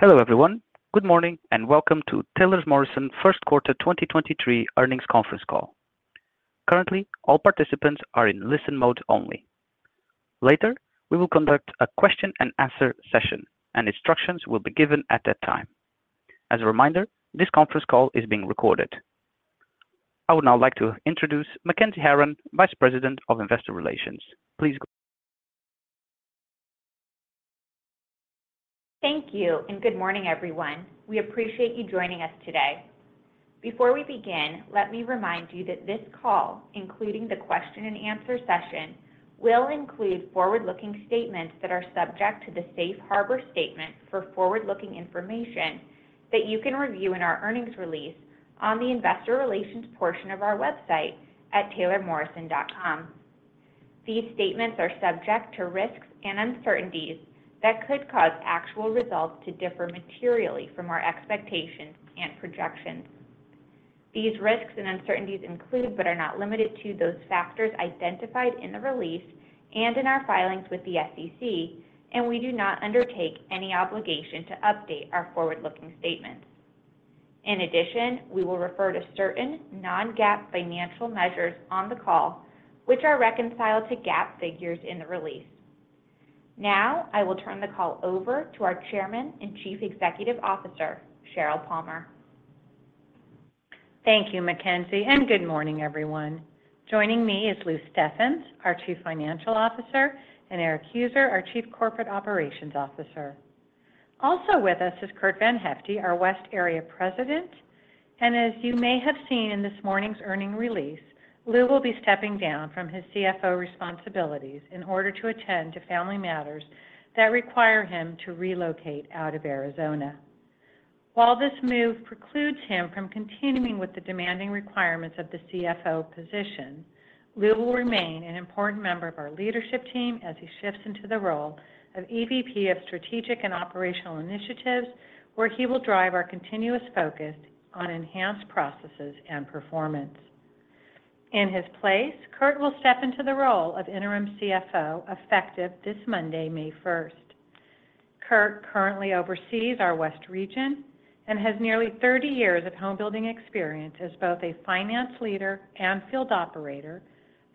Hello everyone. Good morning and welcome to Taylor Morrison first quarter 2023 earnings conference call. Currently, all participants are in listen mode only. Later, we will conduct a question and answer session and instructions will be given at that time. As a reminder, this conference call is being recorded. I would now like to introduce Mackenzie Aron, Vice President of Investor Relations. Thank you and good morning, everyone. We appreciate you joining us today. Before we begin, let me remind you that this call, including the question and answer session, will include forward-looking statements that are subject to the safe harbor statement for forward-looking information that you can review in our earnings release on the investor relations portion of our website at taylormorrison.com. These statements are subject to risks and uncertainties that could cause actual results to differ materially from our expectations and projections. These risks and uncertainties include, but are not limited to, those factors identified in the release and in our filings with the SEC, and we do not undertake any obligation to update our forward-looking statements. In addition, we will refer to certain non-GAAP financial measures on the call, which are reconciled to GAAP figures in the release. I will turn the call over to our Chairman and Chief Executive Officer, Sheryl Palmer. Thank you, Mackenzie. Good morning, everyone. Joining me is Lou Steffens, our Chief Financial Officer, and Erik Heuser, our Chief Corporate Operations Officer. Also with us is Curt VanHyfte, our West Area President. As you may have seen in this morning's earning release, Lou will be stepping down from his CFO responsibilities in order to attend to family matters that require him to relocate out of Arizona. While this move precludes him from continuing with the demanding requirements of the CFO position, Lou will remain an important member of our leadership team as he shifts into the role of EVP of Strategic and Operational Initiatives, where he will drive our continuous focus on enhanced processes and performance. In his place, Curt will step into the role of interim CFO effective this Monday, May 1st. Curt currently oversees our West Region and has nearly 30 years of home building experience as both a finance leader and field operator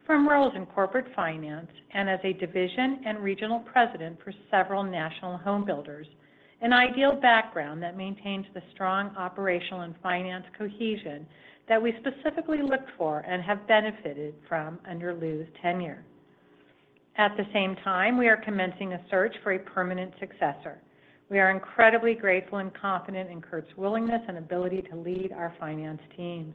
from roles in corporate finance and as a division and regional president for several national home builders, an ideal background that maintains the strong operational and finance cohesion that we specifically looked for and have benefited from under Lou's tenure. At the same time, we are commencing a search for a permanent successor. We are incredibly grateful and confident in Curt's willingness and ability to lead our finance teams.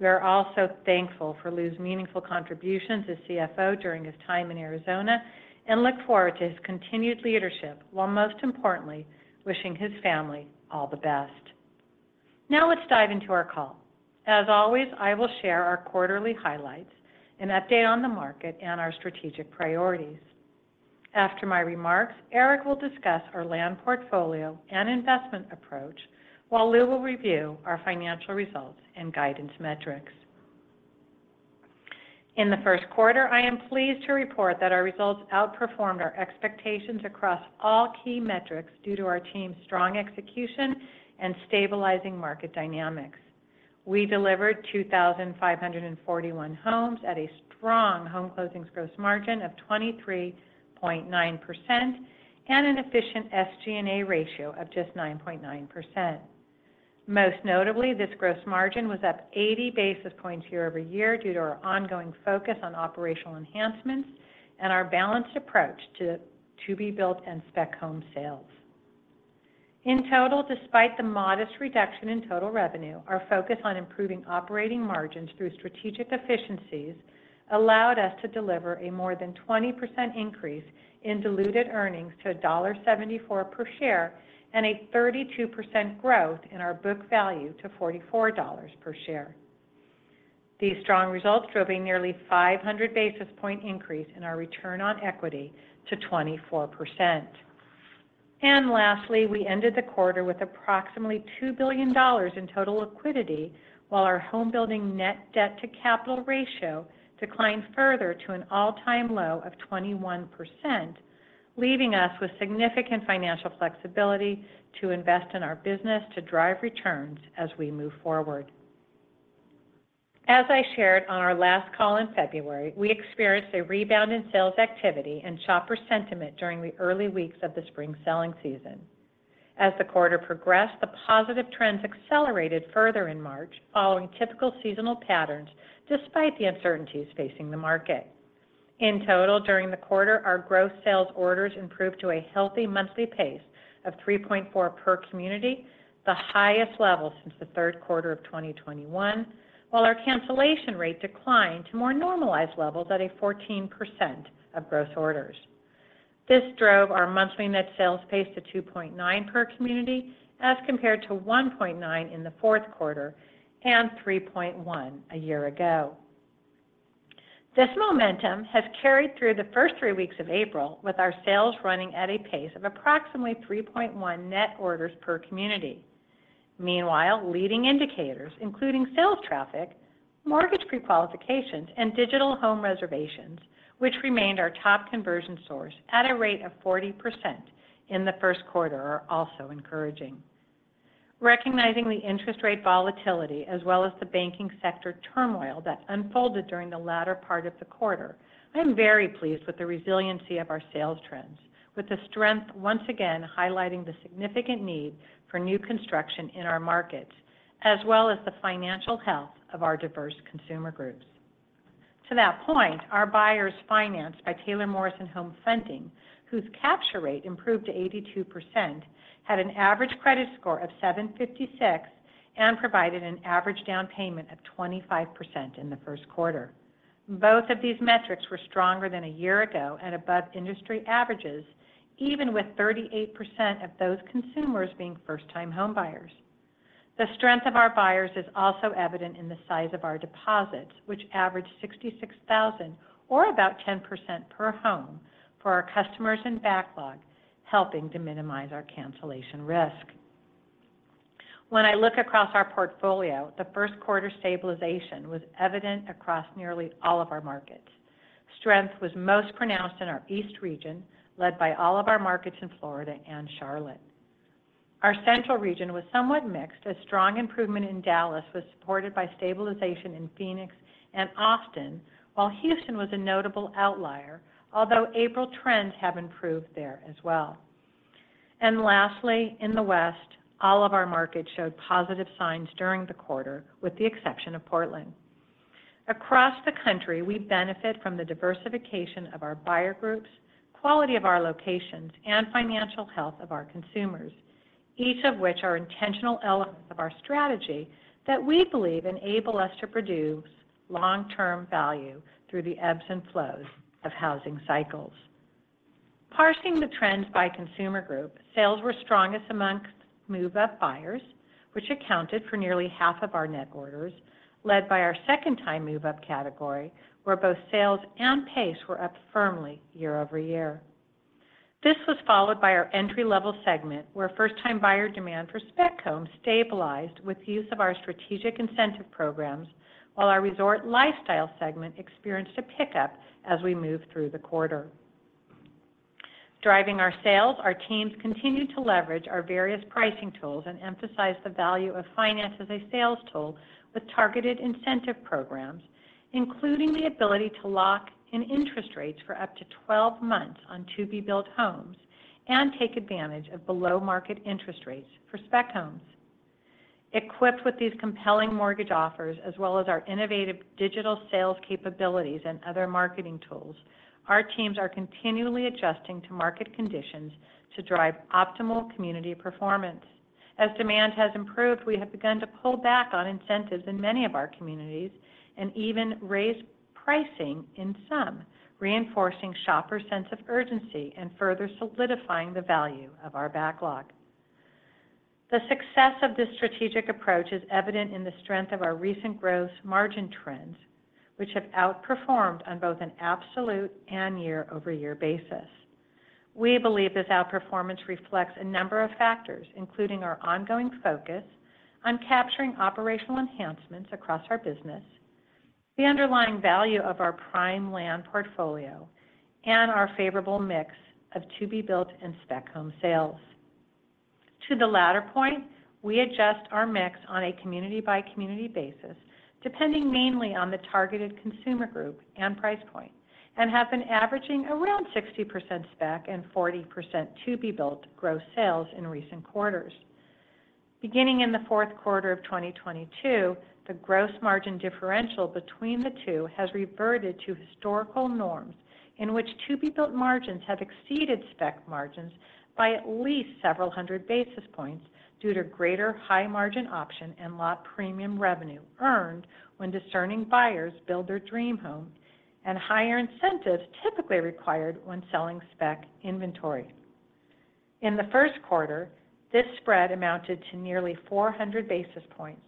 We are also thankful for Lou's meaningful contributions as CFO during his time in Arizona and look forward to his continued leadership while most importantly wishing his family all the best. Let's dive into our call. As always, I will share our quarterly highlights, an update on the market and our strategic priorities. After my remarks, Erik will discuss our land portfolio and investment approach while Lou will review our financial results and guidance metrics. In the first quarter, I am pleased to report that our results outperformed our expectations across all key metrics due to our team's strong execution and stabilizing market dynamics. We delivered 2,541 homes at a strong home closings gross margin of 23.9% and an efficient SG&A ratio of just 9.9%. Most notably, this gross margin was up 80 basis points year-over-year due to our ongoing focus on operational enhancements and our balanced approach to be built and spec home sales. In total, despite the modest reduction in total revenue, our focus on improving operating margins through strategic efficiencies allowed us to deliver a more than 20% increase in diluted earnings to $1.74 per share and a 32% growth in our book value to $44 per share. These strong results drove a nearly 500 basis point increase in our return on equity to 24%. Lastly, we ended the quarter with approximately $2 billion in total liquidity while our home building net debt to capital ratio declined further to an all-time low of 21%, leaving us with significant financial flexibility to invest in our business to drive returns as we move forward. As I shared on our last call in February, we experienced a rebound in sales activity and shopper sentiment during the early weeks of the spring selling season. As the quarter progressed, the positive trends accelerated further in March following typical seasonal patterns despite the uncertainties facing the market. In total, during the quarter, our gross sales orders improved to a healthy monthly pace of 3.4 per community, the highest level since the third quarter of 2021, while our cancellation rate declined to more normalized levels at a 14% of gross orders. This drove our monthly net sales pace to 2.9 per community as compared to 1.9 in the fourth quarter and 3.1 a year ago. This momentum has carried through the first three weeks of April with our sales running at a pace of approximately 3.1 net orders per community. Meanwhile, leading indicators, including sales traffic, mortgage pre-qualifications, and digital home reservations, which remained our top conversion source at a rate of 40% in the first quarter, are also encouraging. Recognizing the interest rate volatility as well as the banking sector turmoil that unfolded during the latter part of the quarter, I am very pleased with the resiliency of our sales trends, with the strength once again highlighting the significant need for new construction in our markets, as well as the financial health of our diverse consumer groups. To that point, our buyers financed by Taylor Morrison Home Funding, whose capture rate improved to 82%, had an average credit score of 756 and provided an average down payment of 25% in the first quarter. Both of these metrics were stronger than a year ago and above industry averages, even with 38% of those consumers being first-time homebuyers. The strength of our buyers is also evident in the size of our deposits, which averaged $66,000 or about 10% per home for our customers in backlog, helping to minimize our cancellation risk. When I look across our portfolio, the first quarter stabilization was evident across nearly all of our markets. Strength was most pronounced in our East region, led by all of our markets in Florida and Charlotte. Our Central region was somewhat mixed, as strong improvement in Dallas was supported by stabilization in Phoenix and Austin, while Houston was a notable outlier, although April trends have improved there as well. Lastly, in the West, all of our markets showed positive signs during the quarter, with the exception of Portland. Across the country, we benefit from the diversification of our buyer groups, quality of our locations, and financial health of our consumers, each of which are intentional elements of our strategy that we believe enable us to produce long-term value through the ebbs and flows of housing cycles. Parsing the trends by consumer group, sales were strongest amongst move-up buyers, which accounted for nearly half of our net orders, led by our second-time move-up category, where both sales and pace were up firmly year-over-year. This was followed by our entry-level segment, where first-time buyer demand for spec homes stabilized with use of our strategic incentive programs, while our resort lifestyle segment experienced a pickup as we moved through the quarter. Driving our sales, our teams continued to leverage our various pricing tools and emphasize the value of finance as a sales tool with targeted incentive programs, including the ability to lock in interest rates for up to 12 months on to-be-built homes and take advantage of below-market interest rates for spec homes. Equipped with these compelling mortgage offers, as well as our innovative digital sales capabilities and other marketing tools, our teams are continually adjusting to market conditions to drive optimal community performance. As demand has improved, we have begun to pull back on incentives in many of our communities and even raise pricing in some, reinforcing shoppers' sense of urgency and further solidifying the value of our backlog. The success of this strategic approach is evident in the strength of our recent gross margin trends, which have outperformed on both an absolute and year-over-year basis. We believe this outperformance reflects a number of factors, including our ongoing focus on capturing operational enhancements across our business, the underlying value of our prime land portfolio, and our favorable mix of to-be-built and spec home sales. To the latter point, we adjust our mix on a community-by-community basis, depending mainly on the targeted consumer group and price point, and have been averaging around 60% spec and 40% to-be-built gross sales in recent quarters. Beginning in the fourth quarter of 2022, the gross margin differential between the two has reverted to historical norms in which to-be-built margins have exceeded spec margins by at least several hundred basis points due to greater high-margin option and lot premium revenue earned when discerning buyers build their dream home and higher incentives typically required when selling spec inventory. In the first quarter, this spread amounted to nearly 400 basis points,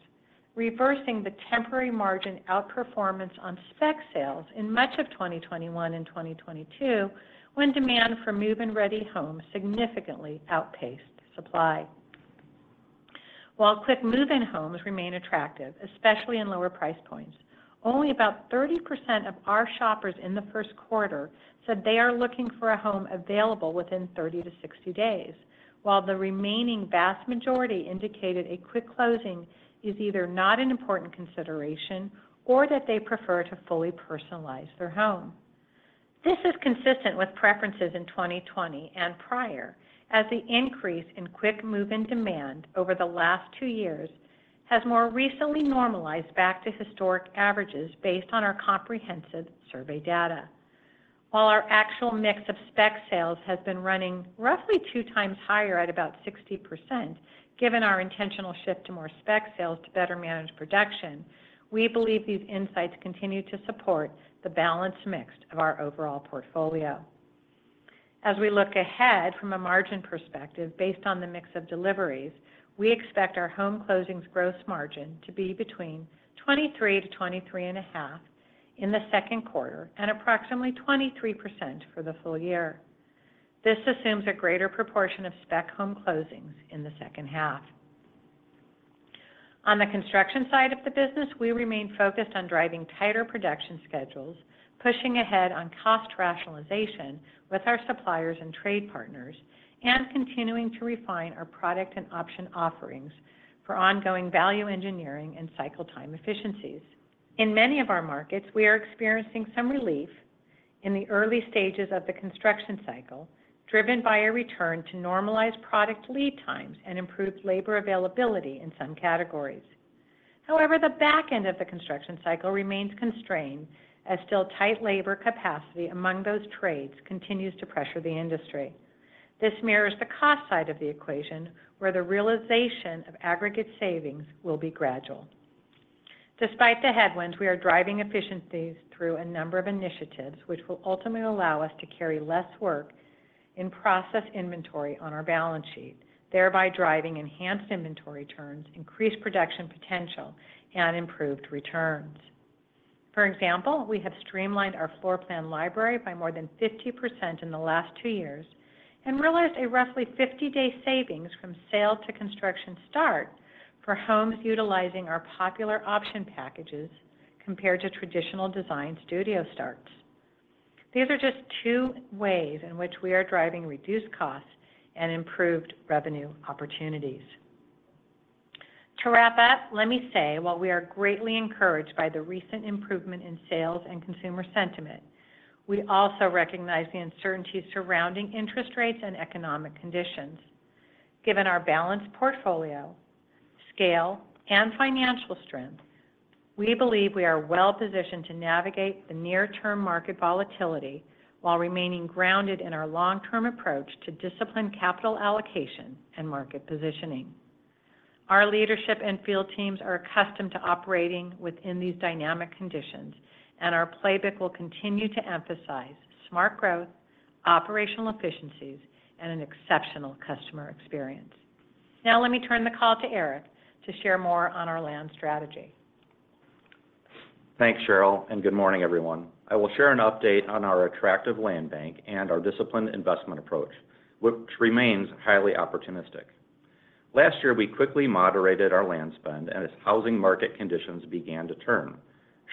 reversing the temporary margin outperformance on spec sales in much of 2021 and 2022 when demand for move-in-ready homes significantly outpaced supply. While quick move-in homes remain attractive, especially in lower price points, only about 30% of our shoppers in the first quarter said they are looking for a home available within 30-60 days, while the remaining vast majority indicated a quick closing is either not an important consideration or that they prefer to fully personalize their home. This is consistent with preferences in 2020 and prior as the increase in quick move-in demand over the last two years has more recently normalized back to historic averages based on our comprehensive survey data. While our actual mix of spec sales has been running roughly 2 times higher at about 60%, given our intentional shift to more spec sales to better manage production, we believe these insights continue to support the balanced mix of our overall portfolio. As we look ahead from a margin perspective based on the mix of deliveries, we expect our home closings gross margin to be between 23%-23.5% in the second quarter and approximately 23% for the full year. This assumes a greater proportion of spec home closings in the second half. On the construction side of the business, we remain focused on driving tighter production schedules, pushing ahead on cost rationalization with our suppliers and trade partners, and continuing to refine our product and option offerings for ongoing value engineering and cycle time efficiencies. In many of our markets, we are experiencing some relief in the early stages of the construction cycle, driven by a return to normalized product lead times and improved labor availability in some categories. However, the back end of the construction cycle remains constrained as still tight labor capacity among those trades continues to pressure the industry. This mirrors the cost side of the equation, where the realization of aggregate savings will be gradual. Despite the headwinds, we are driving efficiencies through a number of initiatives which will ultimately allow us to carry less work in process inventory on our balance sheet, thereby driving enhanced inventory turns, increased production potential, and improved returns. For example, we have streamlined our floor plan library by more than 50% in the last two years and realized a roughly 50-day savings from sale to construction start for homes utilizing our popular option packages compared to traditional design studio starts. These are just two ways in which we are driving reduced costs and improved revenue opportunities. To wrap up, let me say while we are greatly encouraged by the recent improvement in sales and consumer sentiment, we also recognize the uncertainty surrounding interest rates and economic conditions. Given our balanced portfolio, scale, and financial strength, we believe we are well positioned to navigate the near-term market volatility while remaining grounded in our long-term approach to disciplined capital allocation and market positioning. Our leadership and field teams are accustomed to operating within these dynamic conditions, and our playbook will continue to emphasize smart growth, operational efficiencies, and an exceptional customer experience. Now let me turn the call to Erik to share more on our land strategy. Thanks, Sheryl. Good morning, everyone. I will share an update on our attractive land bank and our disciplined investment approach, which remains highly opportunistic. Last year, we quickly moderated our land spend as housing market conditions began to turn,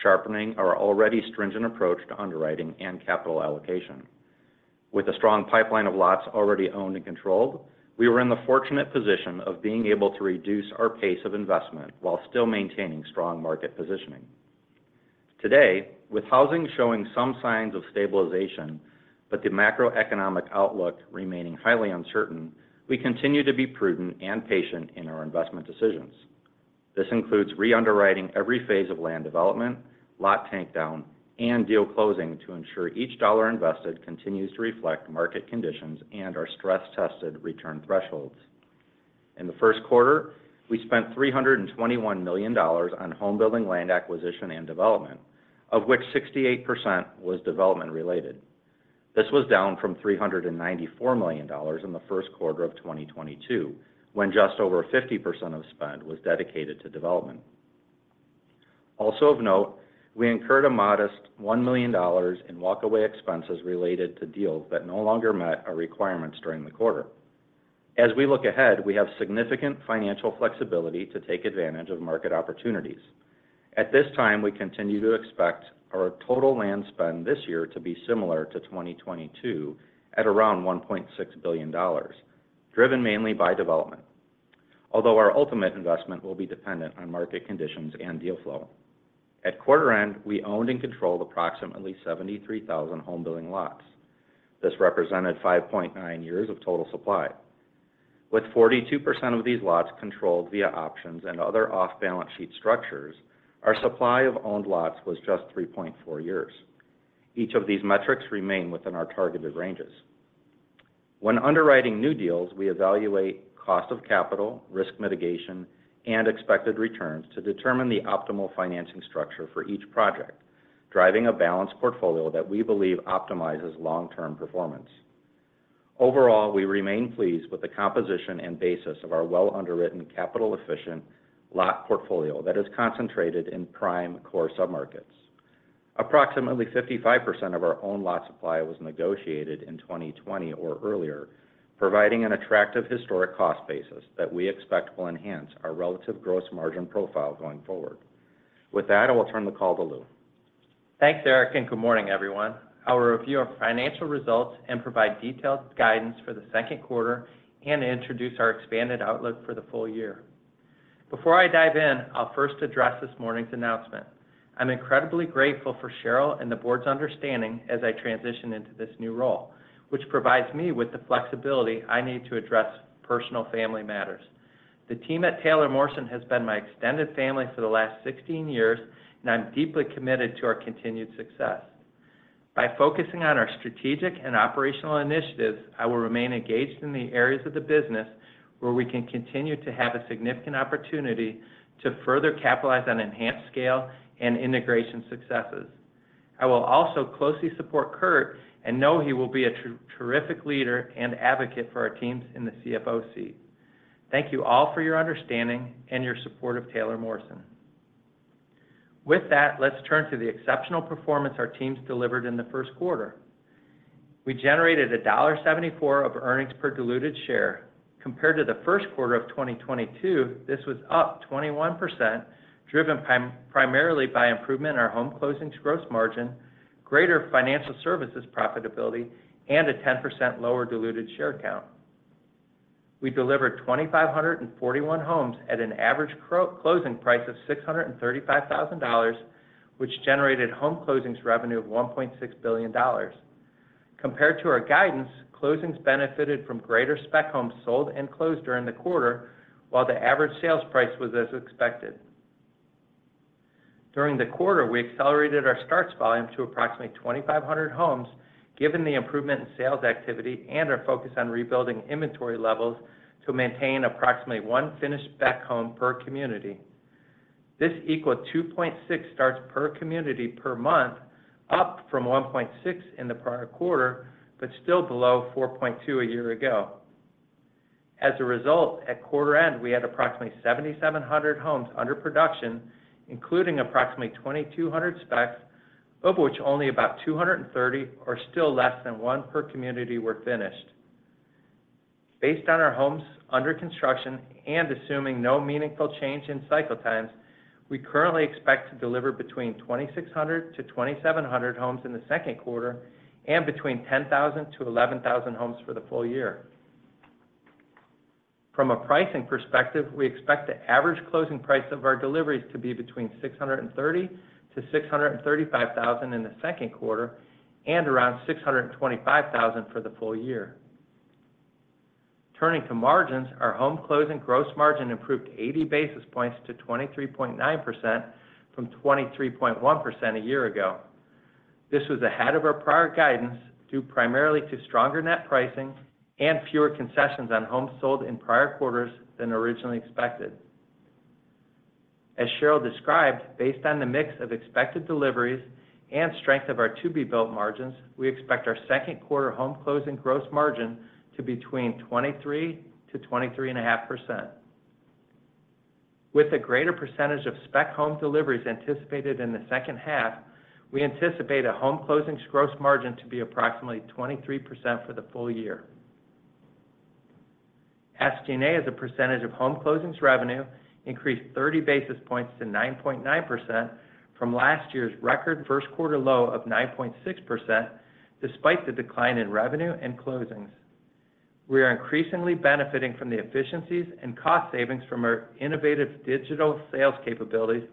sharpening our already stringent approach to underwriting and capital allocation. With a strong pipeline of lots already owned and controlled, we were in the fortunate position of being able to reduce our pace of investment while still maintaining strong market positioning. Today, with housing showing some signs of stabilization but the macroeconomic outlook remaining highly uncertain, we continue to be prudent and patient in our investment decisions. This includes re-underwriting every phase of land development, lot takedown, and deal closing to ensure each dollar invested continues to reflect market conditions and our stress-tested return thresholds. In the first quarter, we spent $321 million on home building land acquisition and development, of which 68% was development related. This was down from $394 million in the first quarter of 2022, when just over 50% of spend was dedicated to development. Of note, we incurred a modest $1 million in walkaway expenses related to deals that no longer met our requirements during the quarter. We look ahead, we have significant financial flexibility to take advantage of market opportunities. At this time, we continue to expect our total land spend this year to be similar to 2022 at around $1.6 billion, driven mainly by development, although our ultimate investment will be dependent on market conditions and deal flow. At quarter end, we owned and controlled approximately 73,000 home building lots. This represented 5.9 years of total supply. With 42% of these lots controlled via options and other off-balance sheet structures, our supply of owned lots was just 3.4 years. Each of these metrics remain within our targeted ranges. When underwriting new deals, we evaluate cost of capital, risk mitigation, and expected returns to determine the optimal financing structure for each project, driving a balanced portfolio that we believe optimizes long-term performance. Overall, we remain pleased with the composition and basis of our well-underwritten, capital-efficient lot portfolio that is concentrated in prime core submarkets. Approximately 55% of our owned lot supply was negotiated in 2020 or earlier, providing an attractive historic cost basis that we expect will enhance our relative gross margin profile going forward. With that, I will turn the call to Lou. Thanks, Erik. Good morning, everyone. I will review our financial results and provide detailed guidance for the second quarter and introduce our expanded outlook for the full year. Before I dive in, I'll first address this morning's announcement. I'm incredibly grateful for Sheryl and the board's understanding as I transition into this new role, which provides me with the flexibility I need to address personal family matters. The team at Taylor Morrison has been my extended family for the last 16 years, and I'm deeply committed to our continued success. By focusing on our strategic and operational initiatives, I will remain engaged in the areas of the business where we can continue to have a significant opportunity to further capitalize on enhanced scale and integration successes. I will also closely support Curt and know he will be a terrific leader and advocate for our teams in the CFO seat. Thank you all for your understanding and your support of Taylor Morrison. With that, let's turn to the exceptional performance our teams delivered in the first quarter. We generated $1.74 of earnings per diluted share. Compared to the first quarter of 2022, this was up 21%, driven primarily by improvement in our home closings gross margin, greater financial services profitability, and a 10% lower diluted share count. We delivered 2,541 homes at an average closing price of $635,000, which generated home closings revenue of $1.6 billion. Compared to our guidance, closings benefited from greater spec homes sold and closed during the quarter, while the average sales price was as expected. During the quarter, we accelerated our starts volume to approximately 2,500 homes, given the improvement in sales activity and our focus on rebuilding inventory levels to maintain approximately one finished spec home per community. This equaled 2.6 starts per community per month, up from 1.6 in the prior quarter, but still below 4.2 a year ago. As a result, at quarter end, we had approximately 7,700 homes under production, including approximately 2,200 specs, of which only about 230, or still less than one per community, were finished. Based on our homes under construction and assuming no meaningful change in cycle times, we currently expect to deliver between 2,600-2,700 homes in the second quarter and between 10,000-11,000 homes for the full year. From a pricing perspective, we expect the average closing price of our deliveries to be between $630,000-$635,000 in the second quarter and around $625,000 for the full year. Turning to margins, our home closing gross margin improved 80 basis points to 23.9% from 23.1% a year ago. This was ahead of our prior guidance, due primarily to stronger net pricing and fewer concessions on homes sold in prior quarters than originally expected. As Sheryl described, based on the mix of expected deliveries and strength of our to-be-built margins, we expect our second quarter home closing gross margin to between 23%-23.5%. With a greater percentage of spec home deliveries anticipated in the second half, we anticipate a home closings gross margin to be approximately 23% for the full year. SG&A as a percentage of home closings revenue increased 30 basis points to 9.9% from last year's record first quarter low of 9.6%, despite the decline in revenue and closings. We are increasingly benefiting from the efficiencies and cost savings from our innovative digital sales capabilities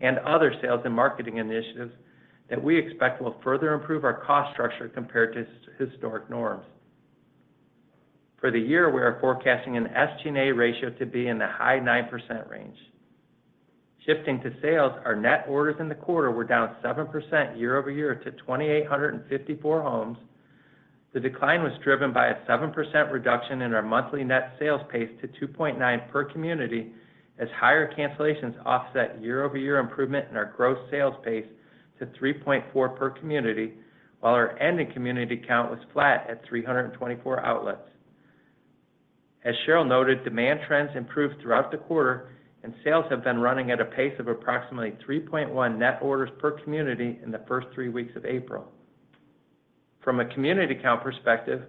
and other sales and marketing initiatives that we expect will further improve our cost structure compared to historic norms. For the year, we are forecasting an SG&A ratio to be in the high 9% range. Shifting to sales, our net orders in the quarter were down 7% year-over-year to 2,854 homes. The decline was driven by a 7% reduction in our monthly net sales pace to 2.9 per community as higher cancellations offset year-over-year improvement in our gross sales pace to 3.4 per community, while our ending community count was flat at 324 outlets. As Sheryl noted, demand trends improved throughout the quarter and sales have been running at a pace of approximately 3.1 net orders per community in the first three weeks of April. From a community count perspective,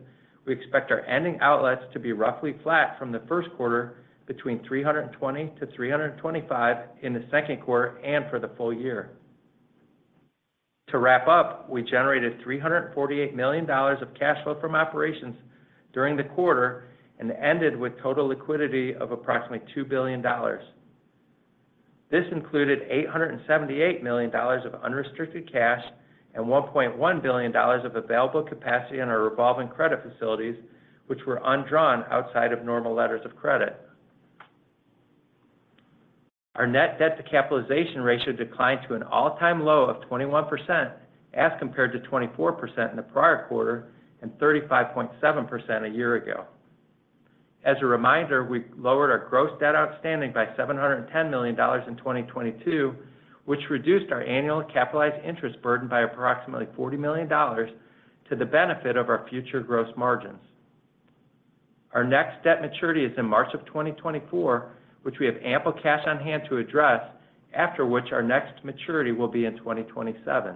we expect our ending outlets to be roughly flat from the first quarter between 320-325 in the second quarter and for the full year. We generated $348 million of cash flow from operations during the quarter and ended with total liquidity of approximately $2 billion. This included $878 million of unrestricted cash and $1.1 billion of available capacity in our revolving credit facilities, which were undrawn outside of normal letters of credit. Our net debt to capitalization ratio declined to an all-time low of 21% as compared to 24% in the prior quarter and 35.7% a year ago. As a reminder, we lowered our gross debt outstanding by $710 million in 2022, which reduced our annual capitalized interest burden by approximately $40 million to the benefit of our future gross margins. Our next debt maturity is in March of 2024, which we have ample cash on hand to address, after which our next maturity will be in 2027.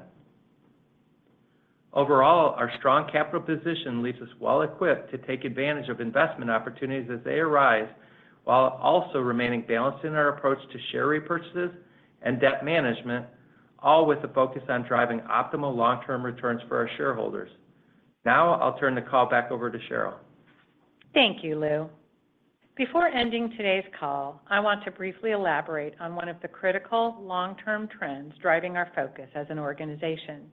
Overall, our strong capital position leaves us well-equipped to take advantage of investment opportunities as they arise, while also remaining balanced in our approach to share repurchases and debt management, all with a focus on driving optimal long-term returns for our shareholders. I'll turn the call back over to Sheryl. Thank you, Lou. Before ending today's call, I want to briefly elaborate on one of the critical long-term trends driving our focus as an organization.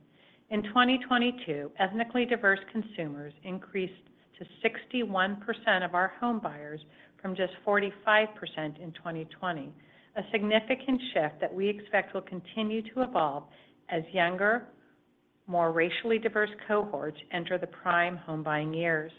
In 2022, ethnically diverse consumers increased to 61% of our home buyers from just 45% in 2020, a significant shift that we expect will continue to evolve as younger, more racially diverse cohorts enter the prime home buying years.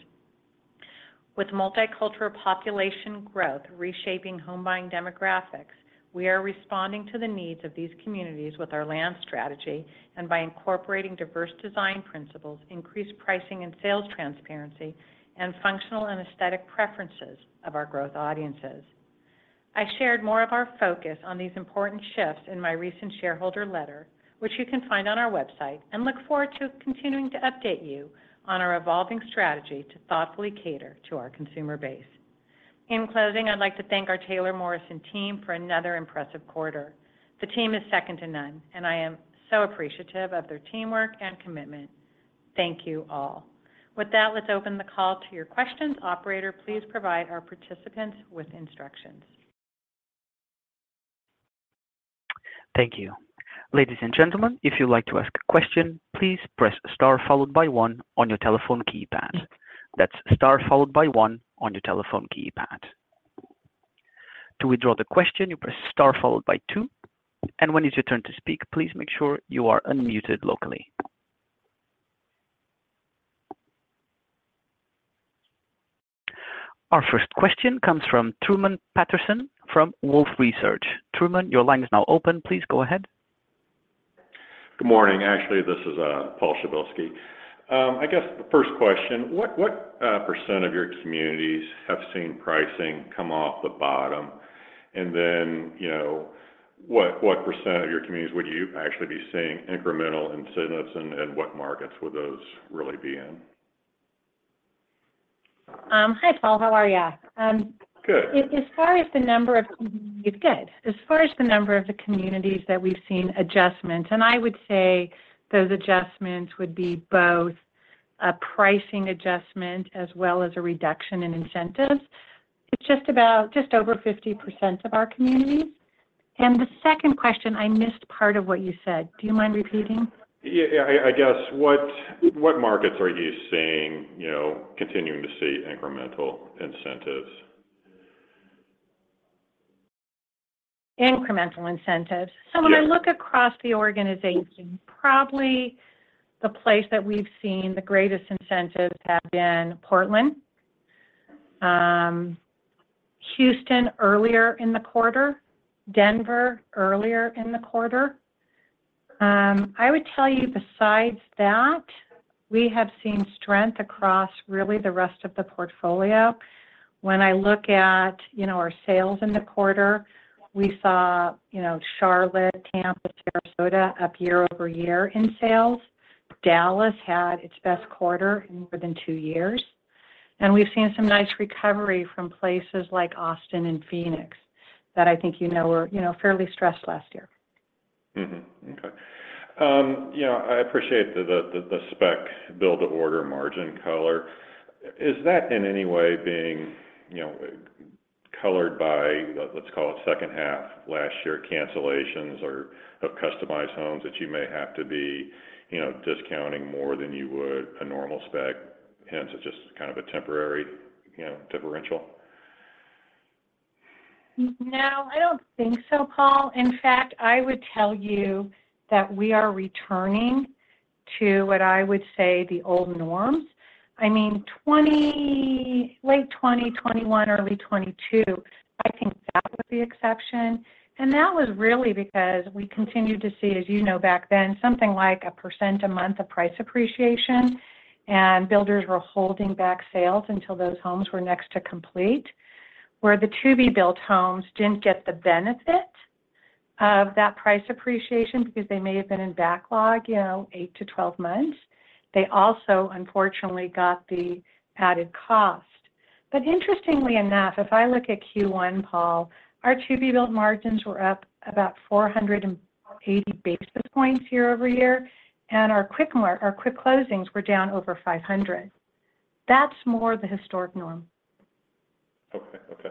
With multicultural population growth reshaping home buying demographics, we are responding to the needs of these communities with our land strategy and by incorporating diverse design principles, increased pricing and sales transparency, and functional and aesthetic preferences of our growth audiences. I shared more of our focus on these important shifts in my recent shareholder letter, which you can find on our website, and look forward to continuing to update you on our evolving strategy to thoughtfully cater to our consumer base. In closing, I'd like to thank our Taylor Morrison team for another impressive quarter. The team is second to none, and I am so appreciative of their teamwork and commitment. Thank you all. With that, let's open the call to your questions. Operator, please provide our participants with instructions. Thank you. Ladies and gentlemen, if you'd like to ask a question, please press star followed by one on your telephone keypad. That's star followed by one on your telephone keypad. To withdraw the question, you press star followed by two, and when it's your turn to speak, please make sure you are unmuted locally. Our first question comes from Truman Patterson from Wolfe Research. Truman, your line is now open. Please go ahead. Good morning. Actually, this is Paul Przybylski. I guess the first question, what percent of your communities have seen pricing come off the bottom? Then what percent of your communities would you actually be seeing incremental incidents and what markets would those really be in? Hi, Paul. How are ya? Good. Good. As far as the number of the communities that we've seen adjustments, and I would say those adjustments would be both a pricing adjustment as well as a reduction in incentives. It's just about just over 50% of our communities. The second question, I missed part of what you said. Do you mind repeating? Yeah. I guess what markets are you seeing, continuing to see incremental incentives? Incremental incentives. Yes. When I look across the organization, probably the place that we've seen the greatest incentives have been Portland, Houston earlier in the quarter, Denver earlier in the quarter. I would tell you besides that, we have seen strength across really the rest of the portfolio. When I look at our sales in the quarter, we saw, Charlotte, Tampa, Sarasota up year-over-year in sales. Dallas had its best quarter in more than two years. We've seen some nice recovery from places like Austin and Phoenix that I think were fairly stressed last year. Okay. You know, I appreciate the spec build-to-order margin color. Is that in any way being, colored by, let's call it second half of last year cancellations or of customized homes that you may have to be discounting more than you would a normal spec, hence it's just kind of a temporary differential? No, I don't think so, Paul. In fact, I would tell you that we are returning to what I would say the old norms. I mean, late 2020, 2021, early 2022, I think that was the exception. That was really because we continued to see, as you know back then, something like 1% a month of price appreciation, and builders were holding back sales until those homes were next to complete, where the to-be built homes didn't get the benefit of that price appreciation because they may have been in backlog, eight-12 months. They also, unfortunately, got the added cost. Interestingly enough, if I look at Q1, Paul, our to-be built margins were up about 480 basis points year-over-year, and our quick closings were down over 500 basis points. That's more the historic norm. Okay.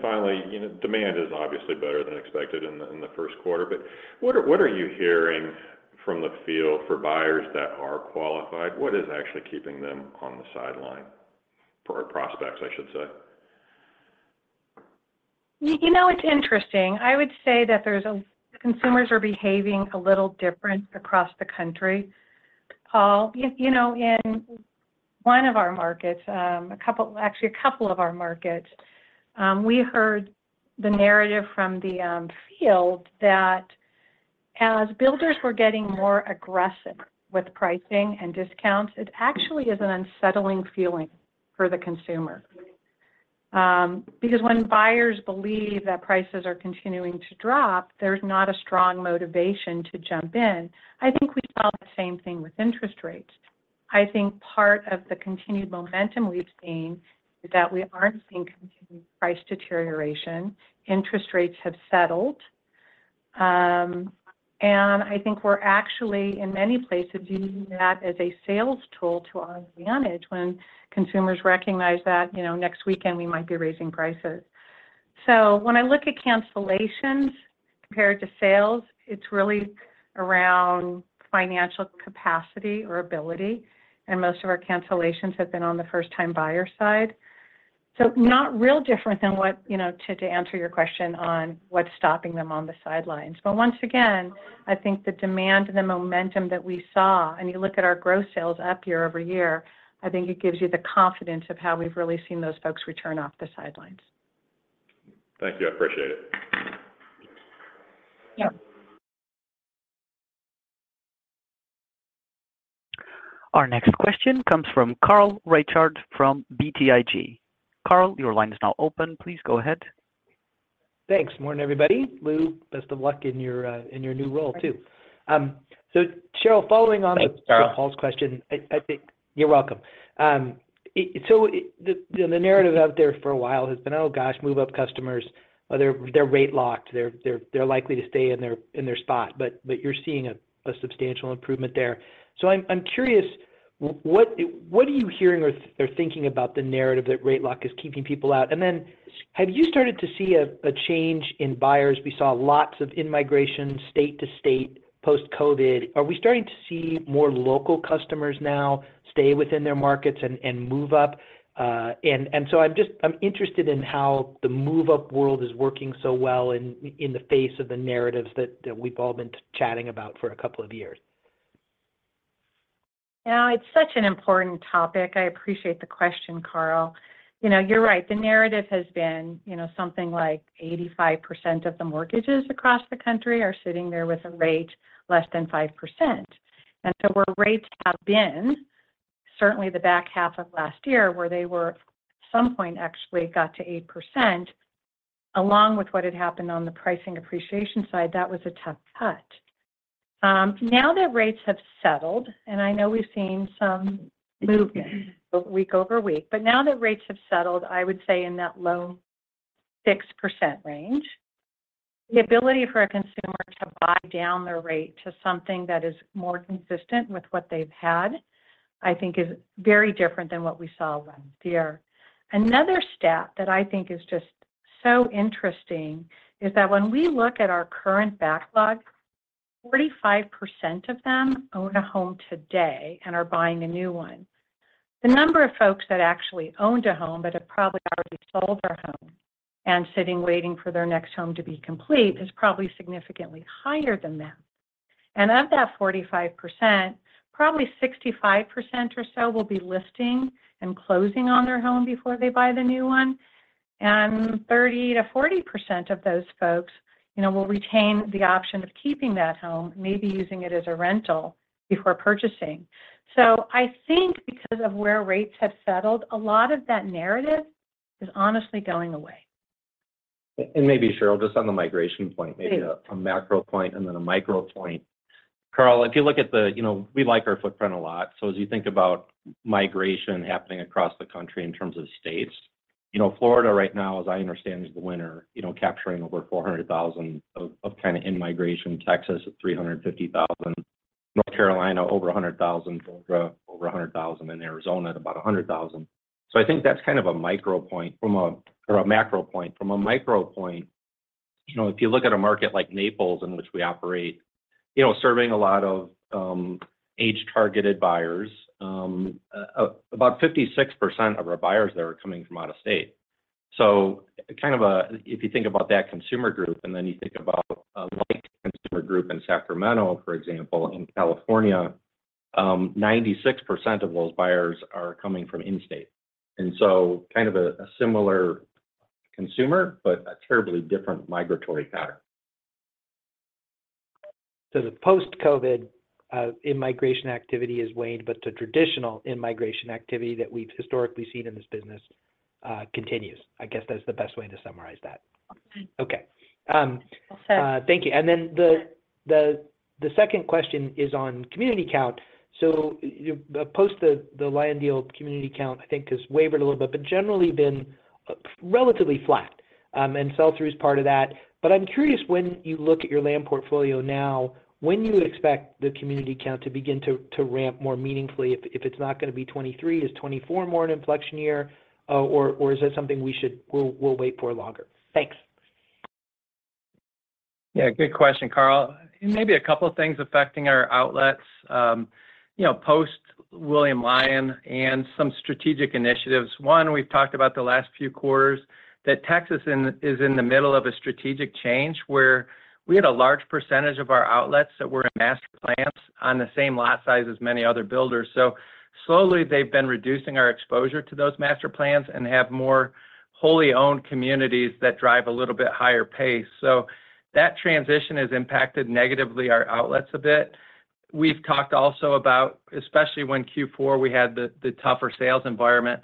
Finally demand is obviously better than expected in the first quarter. What are you hearing from the field for buyers that are qualified? What is actually keeping them on the sideline? For our prospects, I should say. You know, it's interesting. I would say that there's, consumers are behaving a little different across the country, Paul. In one of our markets, Actually, a couple of our markets, we heard the narrative from the field that as builders were getting more aggressive with pricing and discounts, it actually is an unsettling feeling for the consumer. When buyers believe that prices are continuing to drop, there's not a strong motivation to jump in. I think we saw the same thing with interest rates. I think part of the continued momentum we've seen is that we aren't seeing continued price deterioration. Interest rates have settled. I think we're actually in many places using that as a sales tool to our advantage when consumers recognize that next weekend we might be raising prices. When I look at cancellations compared to sales, it's really around financial capacity or ability, and most of our cancellations have been on the first-time buyer side. Not real different than what to answer your question on what's stopping them on the sidelines. Once again, I think the demand and the momentum that we saw, and you look at our growth sales up year-over-year, I think it gives you the confidence of how we've really seen those folks return off the sidelines. Thank you. I appreciate it. Yep. Our next question comes from Carl Reichardt from BTIG. Carl, your line is now open. Please go ahead. Thanks. Morning, everybody. Lou, best of luck in your in your new role too. Thank you. Sheryl, following. Thanks, Carl. Paul's question, I think. You're welcome. So it, the narrative out there for a while has been, "Oh gosh, move-up customers," or they're rate locked. They're likely to stay in their spot. You're seeing a substantial improvement there. I'm curious, what are you hearing or thinking about the narrative that rate lock is keeping people out? Then have you started to see a change in buyers? We saw lots of in-migration, state to state, post-COVID. Are we starting to see more local customers now stay within their markets and move up? I'm just interested in how the move-up world is working so well in the face of the narratives that we've all been chatting about for a couple of years. Yeah. It's such an important topic. I appreciate the question, Carl. You know, you're right, the narrative has been something like 85% of the mortgages across the country are sitting there with a rate less than 5%. Where rates have been, certainly the back half of last year, where they were at some point actually got to 8%, along with what had happened on the pricing appreciation side, that was a tough cut. Now that rates have settled, and I know we've seen some movement week over week, but now that rates have settled, I would say in that low 6% range, the ability for a consumer to buy down their rate to something that is more consistent with what they've had, I think is very different than what we saw last year. Another stat that I think is just so interesting is that when we look at our current backlog, 45% of them own a home today and are buying a new one. The number of folks that actually owned a home but have probably already sold their home and sitting waiting for their next home to be complete is probably significantly higher than that. Of that 45%, probably 65% or so will be listing and closing on their home before they buy the new one, and 30%-40% of those folks will retain the option of keeping that home, maybe using it as a rental before purchasing. I think because of where rates have settled, a lot of that narrative is honestly going away. Maybe Sheryl, just on the migration point. Please Maybe a macro point and then a micro point. Carl, if you look at the. You know, we like our footprint a lot, as you think about migration happening across the country in terms of states, Florida right now, as I understand, is the winner. You know, capturing over 400,000 of kind of in-migration. Texas at 350,000, North Carolina over 100,000, Georgia over 100,000, and Arizona at about 100,000. I think that's kind of a micro point from a or a macro point. From a micro point, if you look at a market like Naples in which we operate, serving a lot of age-targeted buyers, about 56% of our buyers there are coming from out of state. If you think about that consumer group and then you think about a like consumer group in Sacramento, for example, in California, 96% of those buyers are coming from in-state. Kind of a similar consumer but a terribly different migratory pattern. The post-COVID, in-migration activity has waned, but the traditional in-migration activity that we've historically seen in this business, continues. I guess that's the best way to summarize that. Okay. Well said. Thank you. The second question is on community count. Post the Lyon deal community count, I think, has wavered a little bit, but generally been relatively flat. Sell-through is part of that. But I'm curious, when you look at your land portfolio now, when you expect the community count to begin to ramp more meaningfully. If it's not gonna be 2023, is 2024 more an inflection year, or is that something we'll wait for longer? Thanks. Yeah. Good question, Carl. Maybe a couple of things affecting our outlets, post William Lyon and some strategic initiatives. One, we've talked about the last few quarters that Texas is in the middle of a strategic change, where we had a large percentage of our outlets that were in master plans on the same lot size as many other builders. Slowly they've been reducing our exposure to those master plans and have more wholly-owned communities that drive a little bit higher pace. That transition has impacted negatively our outlets a bit. We've talked also about, especially when Q4 we had the tougher sales environment,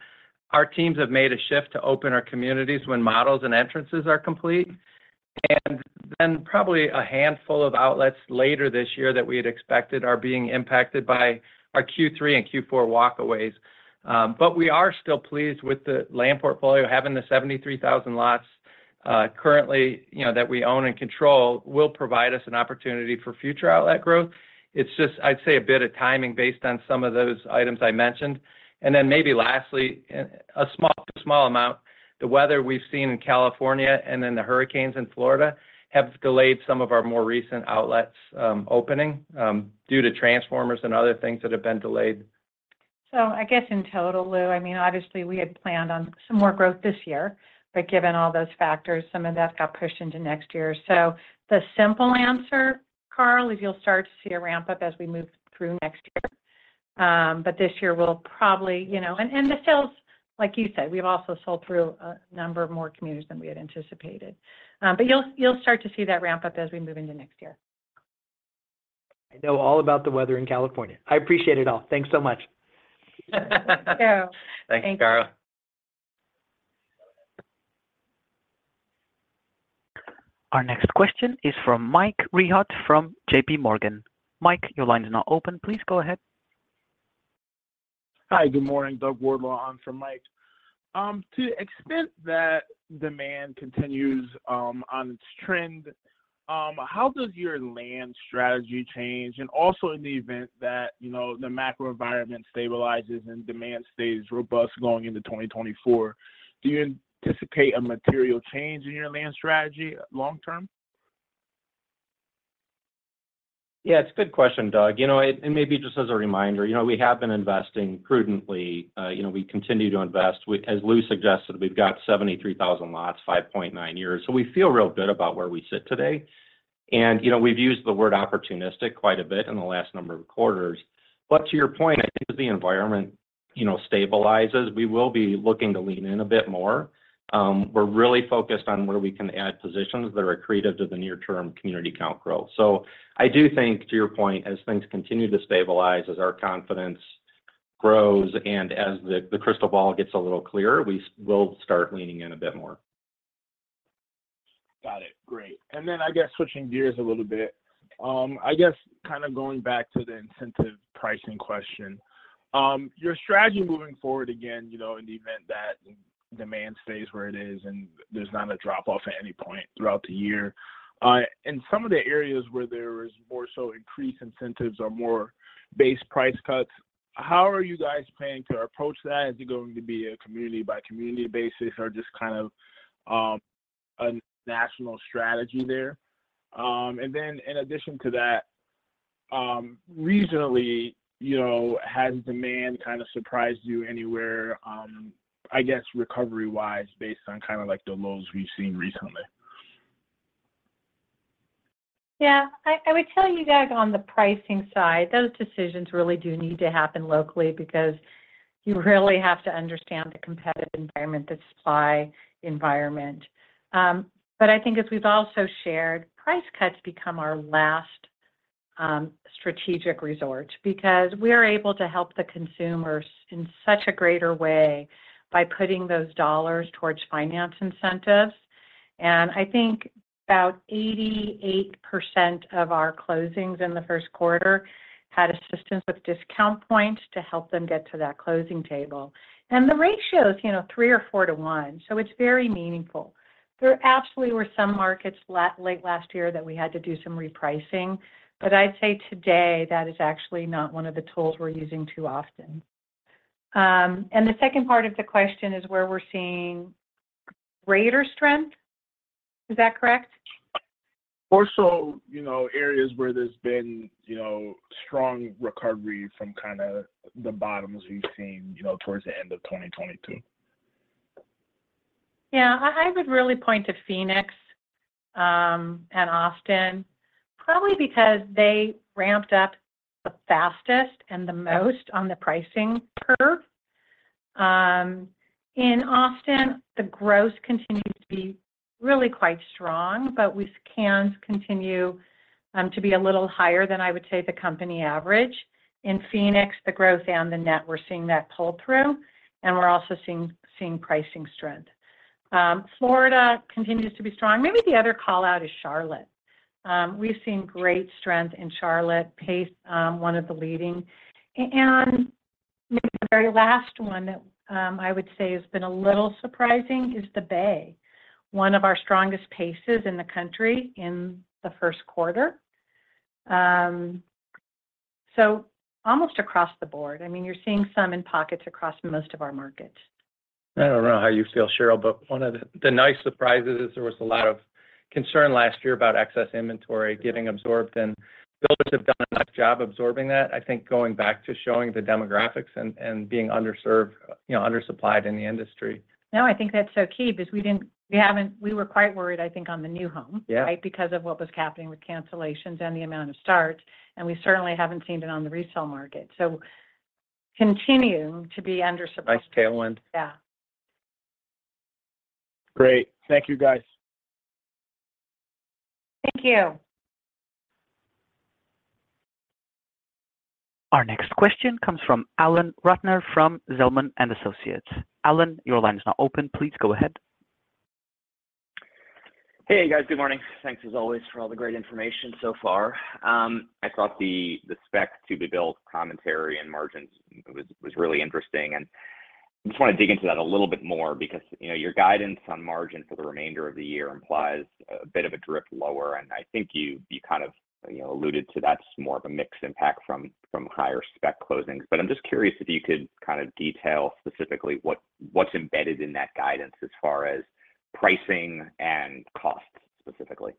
our teams have made a shift to open our communities when models and entrances are complete. Probably a handful of outlets later this year that we had expected are being impacted by our Q3 and Q4 walkaways. We are still pleased with the land portfolio. Having the 73,000 lots currently that we own and control will provide us an opportunity for future outlet growth. It's just I'd say a bit of timing based on some of those items I mentioned. Maybe lastly, a small amount, the weather we've seen in California and then the hurricanes in Florida have delayed some of our more recent outlets opening due to transformers and other things that have been delayed. I guess in total, Lou, I mean, obviously we had planned on some more growth this year, but given all those factors, some of that got pushed into next year. The simple answer, Carl, is you'll start to see a ramp-up as we move through next year. But this year we'll probably, you know. The sales, like you said, we've also sold through a number of more communities than we had anticipated. You'll start to see that ramp up as we move into next year. I know all about the weather in California. I appreciate it all. Thanks so much. You too. Thank you. Thanks, Carl. Our next question is from Mike Rehaut from JPMorgan. Mike, your line is now open. Please go ahead. Hi. Good morning. Doug Wardlaw on for Mike. To the extent that demand continues on its trend, how does your land strategy change? In the event that the macro environment stabilizes and demand stays robust going into 2024, do you anticipate a material change in your land strategy long term? Yeah, it's a good question, Doug. You know, maybe just as a reminder, we have been investing prudently. You know, we continue to invest. As Lou suggested, we've got 73,000 lots, 5.9 years. We feel real good about where we sit today. We've used the word opportunistic quite a bit in the last number of quarters. To your point, I think as the environment stabilizes, we will be looking to lean in a bit more. We're really focused on where we can add positions that are accretive to the near-term community count growth. I do think, to your point, as things continue to stabilize, as our confidence grows, and as the crystal ball gets a little clearer, we will start leaning in a bit more. Got it. Great. I guess switching gears a little bit, I guess kind of going back to the incentive pricing question, your strategy moving forward, again in the event that demand stays where it is and there's not a drop-off at any point throughout the year, in some of the areas where there is more so increased incentives or more base price cuts, how are you guys planning to approach that? Is it going to be a community-by-community basis or just kind of, a national strategy there? In addition to that, regionally, has demand kind of surprised you anywhere, I guess recovery-wise based on kinda like the lows we've seen recently? I would tell you, Doug, on the pricing side, those decisions really do need to happen locally because you really have to understand the competitive environment, the supply environment. I think as we've also shared, price cuts become our last strategic resort because we're able to help the consumers in such a greater way by putting those dollars towards finance incentives. I think about 88% of our closings in the first quarter had assistance with discount points to help them get to that closing table. The ratio is, you know, 3 or 4 to 1, so it's very meaningful. There absolutely were some markets late last year that we had to do some repricing, I'd say today that is actually not one of the tools we're using too often. The second part of the question is where we're seeing greater strength. Is that correct? More so, areas where there's been strong recovery from kind of the bottoms we've seen towards the end of 2022. Yeah. I would really point to Phoenix, and Austin, probably because they ramped up the fastest and the most on the pricing curve. In Austin, the growth continues to be really quite strong, but can continue to be a little higher than I would say the company average. In Phoenix, the growth and the net, we're seeing that pull through, and we're also seeing pricing strength. Florida continues to be strong. Maybe the other call-out is Charlotte. We've seen great strength in Charlotte. Pace, one of the leading. Maybe the very last one that I would say has been a little surprising is the Bay, one of our strongest paces in the country in the first quarter. Almost across the board. I mean, you're seeing some in pockets across most of our markets. I don't know how you feel, Sheryl, but one of the nice surprises is there was a lot of concern last year about excess inventory getting absorbed, and builders have done a nice job absorbing that. I think going back to showing the demographics and being underserved, undersupplied in the industry. I think that's so key because we were quite worried, I think, on the new home right? Because of what was happening with cancellations and the amount of starts, and we certainly haven't seen it on the resale market. Continue to be undersupplied. Nice tailwind. Yeah. Great. Thank you, guys. Thank you. Our next question comes from Alan Ratner from Zelman & Associates. Alan, your line is now open. Please go ahead. Hey, guys. Good morning. Thanks as always for all the great information so far. I thought the spec to-be-built commentary and margins was really interesting. I just wanna dig into that a little bit more because your guidance on margin for the remainder of the year implies a bit of a drift lower, and I think you alluded to that's more of a mixed impact from higher spec closings. I'm just curious if you could kind of detail specifically what's embedded in that guidance as far as pricing and costs specifically.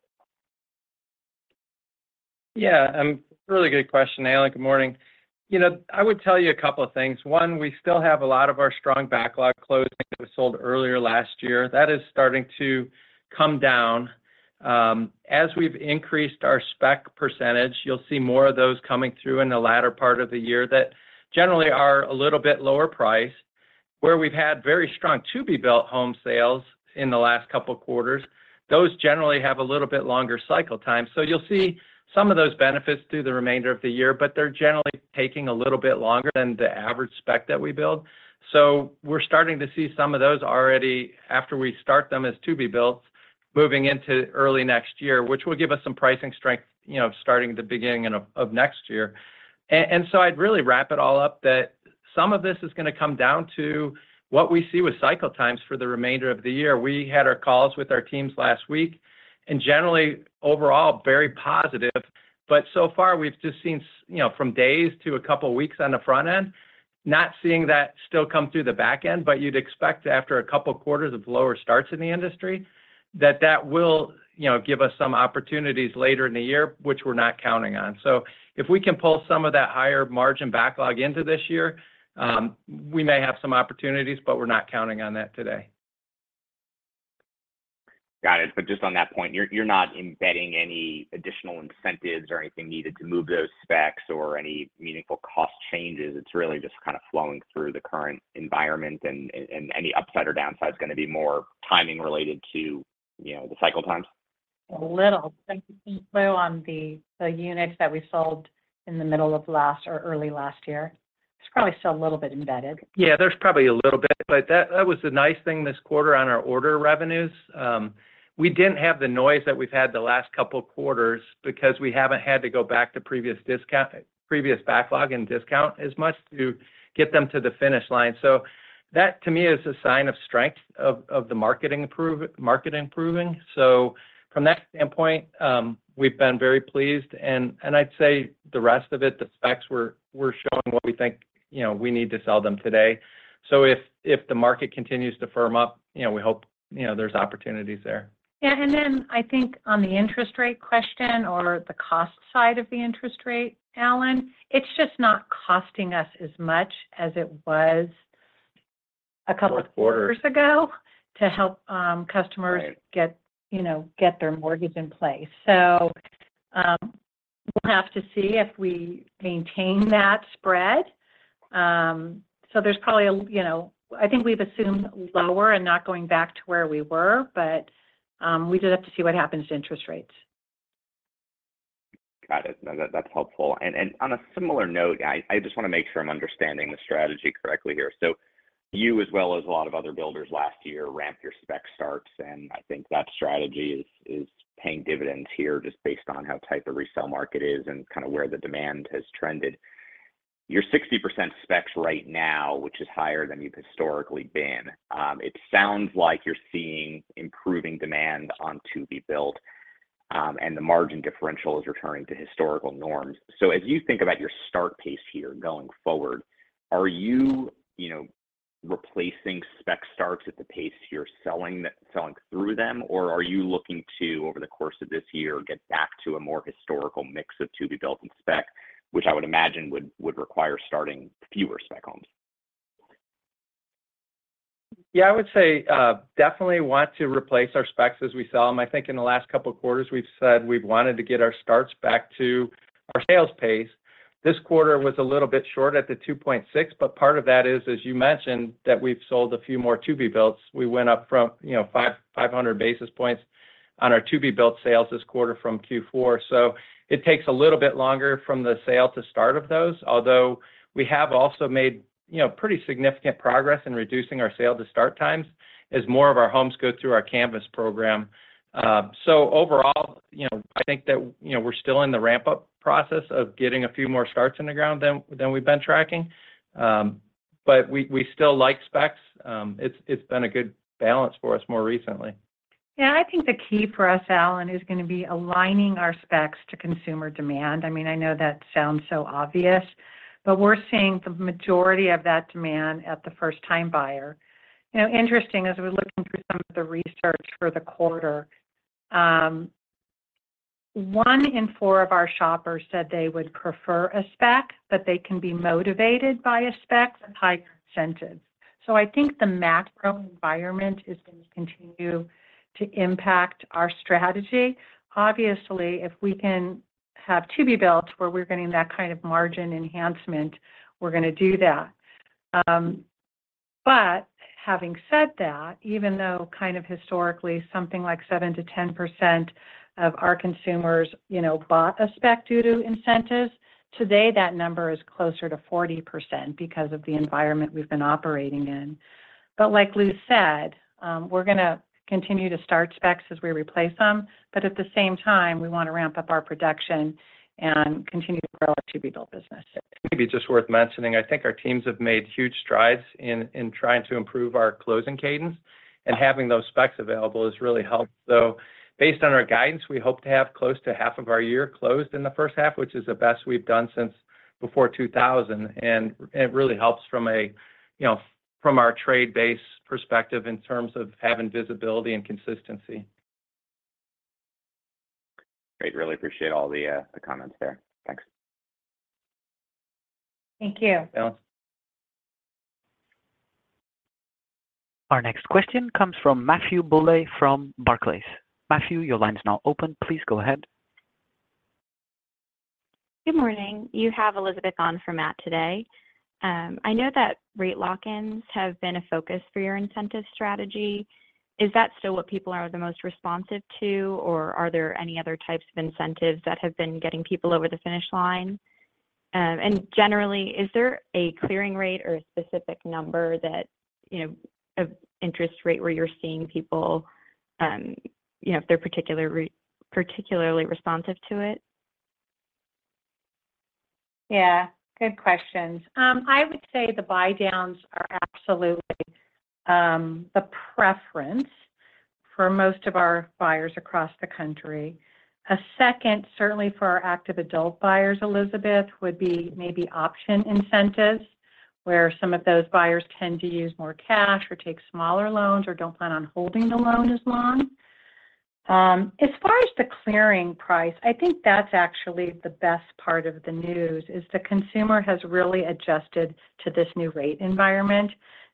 Yeah, really good question, Alan. Good morning. You know, I would tell you a couple of things. One, we still have a lot of our strong backlog closing That was sold earlier last year. That is starting to come down. As we've increased our spec percentage, you'll see more of those coming through in the latter part of the year that generally are a little bit lower price. Where we've had very strong to-be-built home sales in the last two quarters, those generally have a little bit longer cycle time. You'll see some of those benefits through the remainder of the year, but they're generally taking a little bit longer than the average spec that we build. We're starting to see some of those already after we start them as to-be-builts moving into early next year, which will give us some pricing strength, starting at the beginning of next year. I'd really wrap it all up that some of this is gonna come down to what we see with cycle times for the remainder of the year. We had our calls with our teams last week, and generally, overall, very positive. So far, we've just seen from days to two weeks on the front end, not seeing that still come through the back end. You'd expect after two quarters of lower starts in the industry that that will give us some opportunities later in the year, which we're not counting on. If we can pull some of that higher margin backlog into this year, we may have some opportunities, but we're not counting on that today. Got it. Just on that point, you're not embedding any additional incentives or anything needed to move those specs or any meaningful cost changes. It's really just kind of flowing through the current environment and any upside or downside is gonna be more timing related to the cycle times. A little. I think, Lou, on the units that we sold in the middle of last or early last year, it's probably still a little bit embedded. Yeah, there's probably a little bit. That, that was the nice thing this quarter on our order revenues. We didn't have the noise that we've had the last couple of quarters because we haven't had to go back to previous backlog and discount as much to get them to the finish line. That to me is a sign of strength of the market improving. From that standpoint, we've been very pleased and I'd say the rest of it, the specs we're showing what we think, we need to sell them today. If, if the market continues to firm up, we hope, there's opportunities there. Yeah. Then I think on the interest rate question or the cost side of the interest rate, Alan, it's just not costing us as much as it was a couple- Fourth quarter. of quarters ago to help, customers get their mortgage in place. We'll have to see if we maintain that spread. There's probably you know, I think we've assumed lower and not going back to where we were, we just have to see what happens to interest rates. Got it. No, that's helpful. On a similar note, I just wanna make sure I'm understanding the strategy correctly here. You as well as a lot of other builders last year ramped your spec starts, and I think that strategy is paying dividends here just based on how tight the resale market is and kind of where the demand has trended. Your 60% specs right now, which is higher than you've historically been, it sounds like you're seeing improving demand on to-be-built, and the margin differential is returning to historical norms. As you think about your start pace here going forward, are replacing spec starts at the pace you're selling selling through them, or are you looking to, over the course of this year, get back to a more historical mix of to-be-built and spec, which I would imagine would require starting fewer spec homes? Yeah. I would say, definitely want to replace our specs as we sell them. I think in the last couple of quarters, we've said we've wanted to get our starts back to our sales pace. This quarter was a little bit short at the 2.6. Part of that is, as you mentioned, that we've sold a few more to-be-builts. We went up from 500 basis points on our to-be-built sales this quarter from Q4. It takes a little bit longer from the sale to start of those, although we have also made pretty significant progress in reducing our sale to start times as more of our homes go through our Canvas program. Overall, I think that we're still in the ramp-up process of getting a few more starts in the ground than we've been tracking. We still like specs. It's been a good balance for us more recently. Yeah. I think the key for us, Alan, is gonna be aligning our specs to consumer demand. I mean, I know that sounds so obvious, but we're seeing the majority of that demand at the first-time buyer. You know, interesting, as we're looking through some of the research for the quarter, one in four of our shoppers said they would prefer a spec, but they can be motivated by a spec with high incentives. I think the macro environment is going to continue to impact our strategy. Obviously, if we can have to-be-builts where we're getting that kind of margin enhancement, we're gonna do that. Having said that, even though kind of historically something like 7%-10% of our consumers, you know, bought a spec due to incentives, today that number is closer to 40% because of the environment we've been operating in. Like Lou said, we're gonna continue to start specs as we replace them, but at the same time, we wanna ramp up our production and continue to grow our to-be-built business. Maybe just worth mentioning, I think our teams have made huge strides in trying to improve our closing cadence. Having those specs available has really helped. Based on our guidance, we hope to have close to half of our year closed in the first half, which is the best we've done since before 2000. It really helps, from our trade base perspective in terms of having visibility and consistency. Great. Really appreciate all the comments there. Thanks. Thank you. Thanks. Our next question comes from Matthew Bouley from Barclays. Matthew, your line is now open. Please go ahead. Good morning. You have Elizabeth on for Matt today. I know that rate lock-ins have been a focus for your incentive strategy. Is that still what people are the most responsive to, or are there any other types of incentives that have been getting people over the finish line? Generally, is there a clearing rate or a specific number that of interest rate where you're seeing people, if they're particularly responsive to it? I would say the buydowns are absolutely the preference for most of our buyers across the country. A second, certainly for our active adult buyers, Elizabeth, would be maybe option incentives, where some of those buyers tend to use more cash or take smaller loans or don't plan on holding the loan as long. As far as the clearing price, I think that's actually the best part of the news is the consumer has really adjusted to this new rate environment.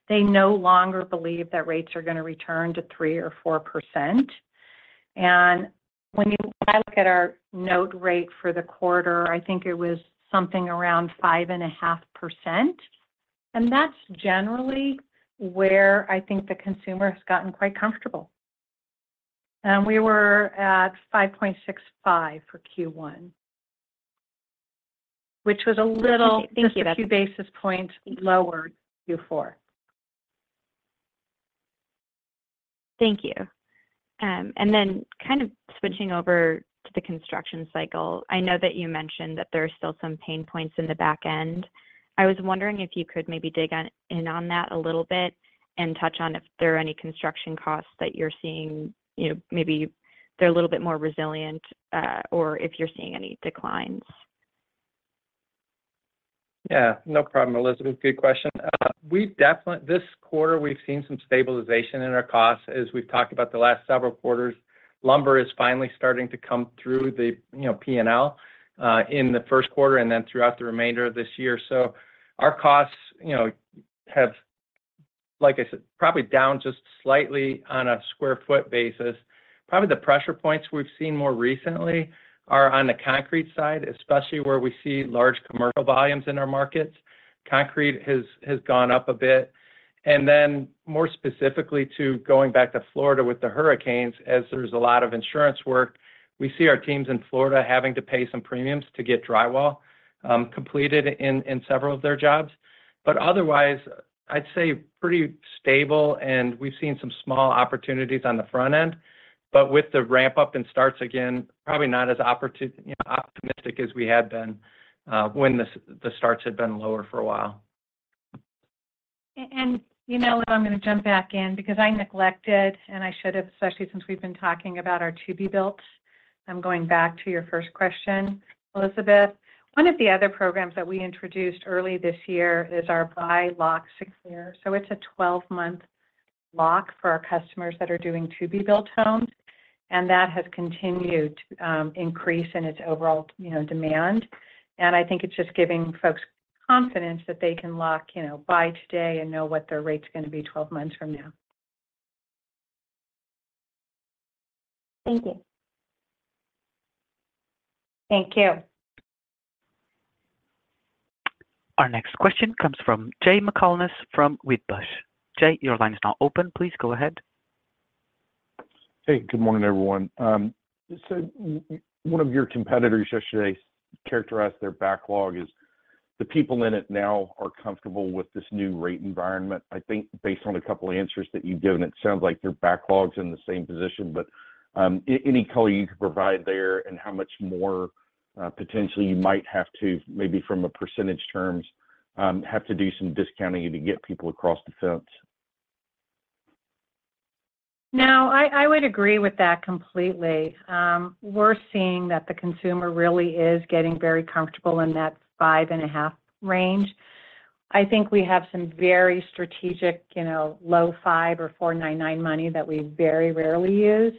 They no longer believe that rates are gonna return to 3% or 4%. When I look at our note rate for the quarter, I think it was something around 5.5%. That's generally where I think the consumer has gotten quite comfortable. We were at 5.65% for Q1. Thank you. Just a few basis points lower than Q4. Thank you. Kind of switching over to the construction cycle. I know that you mentioned that there are still some pain points in the back end. I was wondering if you could maybe dig in on that a little bit and touch on if there are any construction costs that you're seeing, maybe they're a little bit more resilient, or if you're seeing any declines? Yeah, no problem, Elizabeth. Good question. We've definitely, this quarter, we've seen some stabilization in our costs. As we've talked about the last several quarters, lumber is finally starting to come through the P&L in the first quarter and then throughout the remainder of this year. Our costs have, like I said, probably down just slightly on a sq ft basis. Probably the pressure points we've seen more recently are on the concrete side, especially where we see large commercial volumes in our markets. Concrete has gone up a bit. Then more specifically to going back to Florida with the hurricanes, as there's a lot of insurance work, we see our teams in Florida having to pay some premiums to get drywall completed in several of their jobs. Otherwise, I'd say pretty stable, and we've seen some small opportunities on the front end. With the ramp-up and starts again, probably not as optimistic as we had been, when the starts had been lower for a while. You know what, I'm gonna jump back in because I neglected, and I should have, especially since we've been talking about our to-be-builts. I'm going back to your first question, Elizabeth. One of the other programs that we introduced early this year is our Buy Build Secure. It's a 12-month lock for our customers that are doing to-be-built homes, and that has continued to increase in its overall demand. I think it's just giving folks confidence that they can lock, buy today and know what their rate's gonna be 12 months from now. Thank you. Thank you. Our next question comes from Jay McCanless from Wedbush. Jay, your line is now open. Please go ahead. Hey, good morning, everyone. One of your competitors yesterday characterized their backlog as the people in it now are comfortable with this new rate environment. I think based on a couple answers that you've given, it sounds like your backlog's in the same position. Any color you could provide there and how much more, potentially you might have to, maybe from a percentage terms, have to do some discounting to get people across the fence. I would agree with that completely. We're seeing that the consumer really is getting very comfortable in that 5.5 range. I think we have some very strategic, low 5 or 499 money that we very rarely use.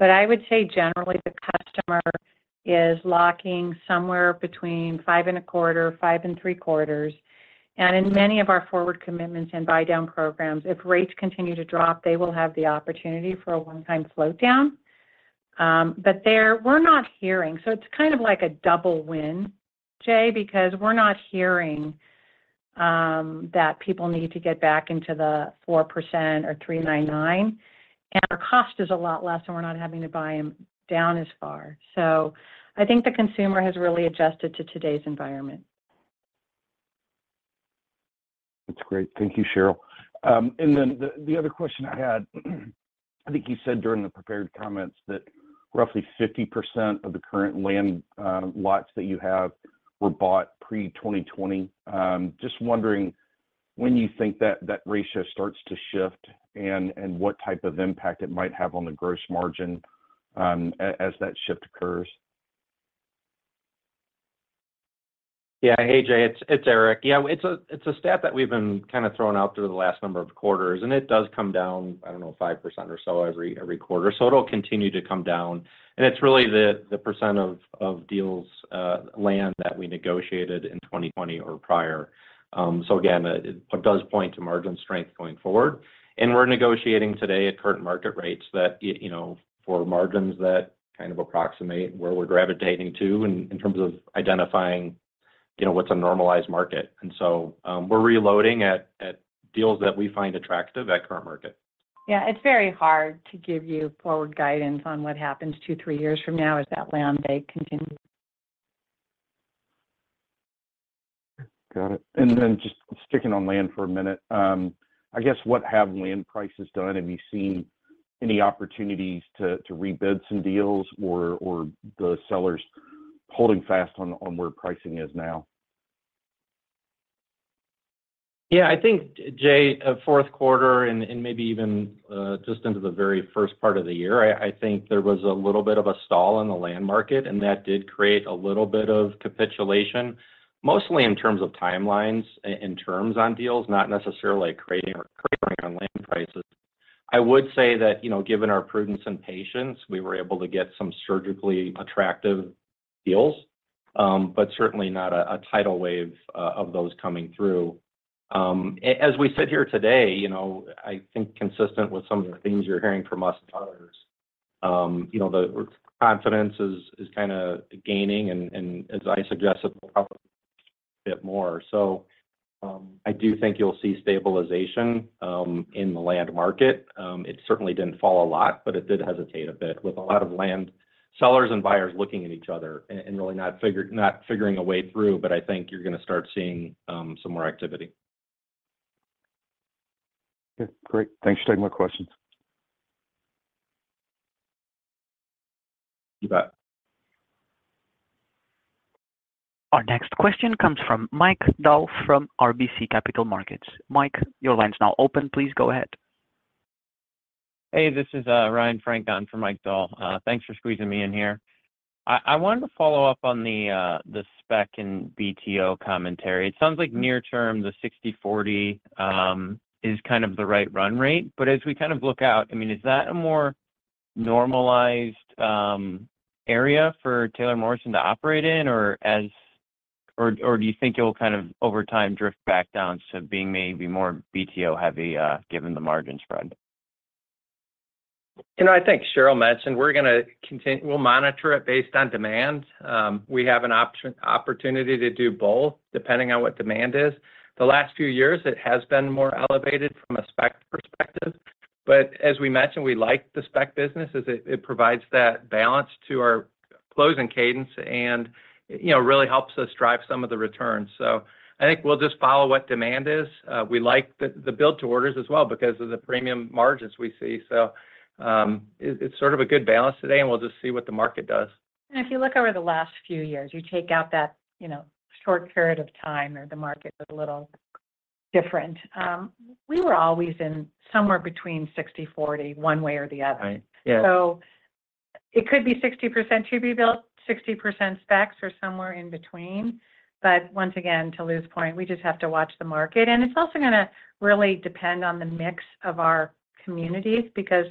I would say generally the customer is locking somewhere between 5.25, 5.75. In many of our forward commitments and buydown programs, if rates continue to drop, they will have the opportunity for a one-time float down. But we're not hearing, it's kind of like a double win, Jay, because we're not hearing that people need to get back into the 4% or 399, our cost is a lot less, we're not having to buy them down as far. I think the consumer has really adjusted to today's environment. That's great. Thank you, Sheryl. Then the other question I had, I think you said during the prepared comments that roughly 50% of the current land, lots that you have were bought pre 2020. Just wondering when you think that that ratio starts to shift and what type of impact it might have on the gross margin, as that shift occurs. Yeah. Hey, Jay. It's Erik. Yeah, it's a stat that we've been kind of throwing out through the last number of quarters. It does come down, I don't know, 5% or so every quarter, so it'll continue to come down. It's really the percent of deals, land that we negotiated in 2020 or prior. Again, it does point to margin strength going forward. We're negotiating today at current market rates that it, you know, for margins that kind of approximate where we're gravitating to in terms of identifying, what's a normalized market. We're reloading at deals that we find attractive at current market. Yeah, it's very hard to give you forward guidance on what happens two, three years from now as that land bank continues. Got it. Then just sticking on land for a minute, I guess what have land prices done? Have you seen any opportunities to rebid some deals or the sellers holding fast on where pricing is now? Yeah. I think, Jay, fourth quarter and maybe even just into the very first part of the year, I think there was a little bit of a stall in the land market, and that did create a little bit of capitulation, mostly in terms of timelines in terms on deals, not necessarily creating or conquering on land prices. I would say that given our prudence and patience, we were able to get some surgically attractive deals, but certainly not a tidal wave of those coming through. As we sit here today, I think consistent with some of the things you're hearing from us and others, the confidence is kinda gaining. As I suggested, probably a bit more. I do think you'll see stabilization in the land market. It certainly didn't fall a lot, but it did hesitate a bit with a lot of land sellers and buyers looking at each other and really not figuring a way through. I think you're gonna start seeing some more activity. Okay, great. Thanks for taking my questions. You bet. Our next question comes from Mike Dahl from RBC Capital Markets. Mike, your line's now open. Please go ahead. Hey, this is Ryan Frank calling for Mike Dahl. Thanks for squeezing me in here. I wanted to follow up on the spec in BTO commentary. It sounds like near term, the 60/40 is kind of the right run rate. As we kind of look out, I mean, is that a more normalized area for Taylor Morrison to operate in? Or or do you think it will kind of over time drift back down to being maybe more BTO heavy given the margin spread? You know, I think Sheryl mentioned we're gonna monitor it based on demand. We have an opportunity to do both depending on what demand is. The last few years, it has been more elevated from a spec perspective. As we mentioned, we like the spec business as it provides that balance to our closing cadence and really helps us drive some of the returns. I think we'll just follow what demand is. We like the build to orders as well because of the premium margins we see. It's sort of a good balance today, and we'll just see what the market does. If you look over the last few years, you take out that short period of time where the market was a little different, we were always in somewhere between 60/40 one way or the other. Right. Yeah. It could be 60% to be built, 60% specs or somewhere in between. Once again, to Lou's point, we just have to watch the market. It's also gonna really depend on the mix of our communities, because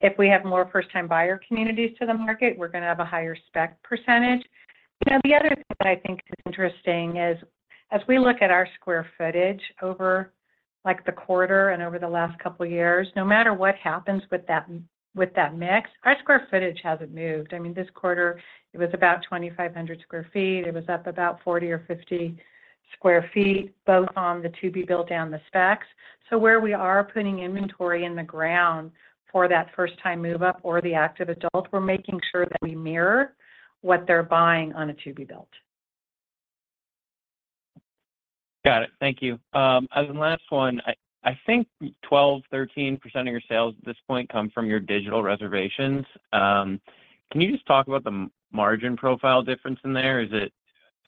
if we have more first time buyer communities to the market, we're gonna have a higher spec percentage. The other thing that I think is interesting is as we look at our square footage over, like, the quarter and over the last couple of years, no matter what happens with that, with that mix, our square footage hasn't moved. This quarter it was about 2,500 sq ft. It was up about 40 or 50 sq ft, both on the to-be built and the specs. Where we are putting inventory in the ground for that first time move up or the active adult, we're making sure that we mirror what they're buying on a to-be built. Got it. Thank you. Last one. I think 12%, 13% of your sales at this point come from your digital reservations. Can you just talk about the margin profile difference in there? Is it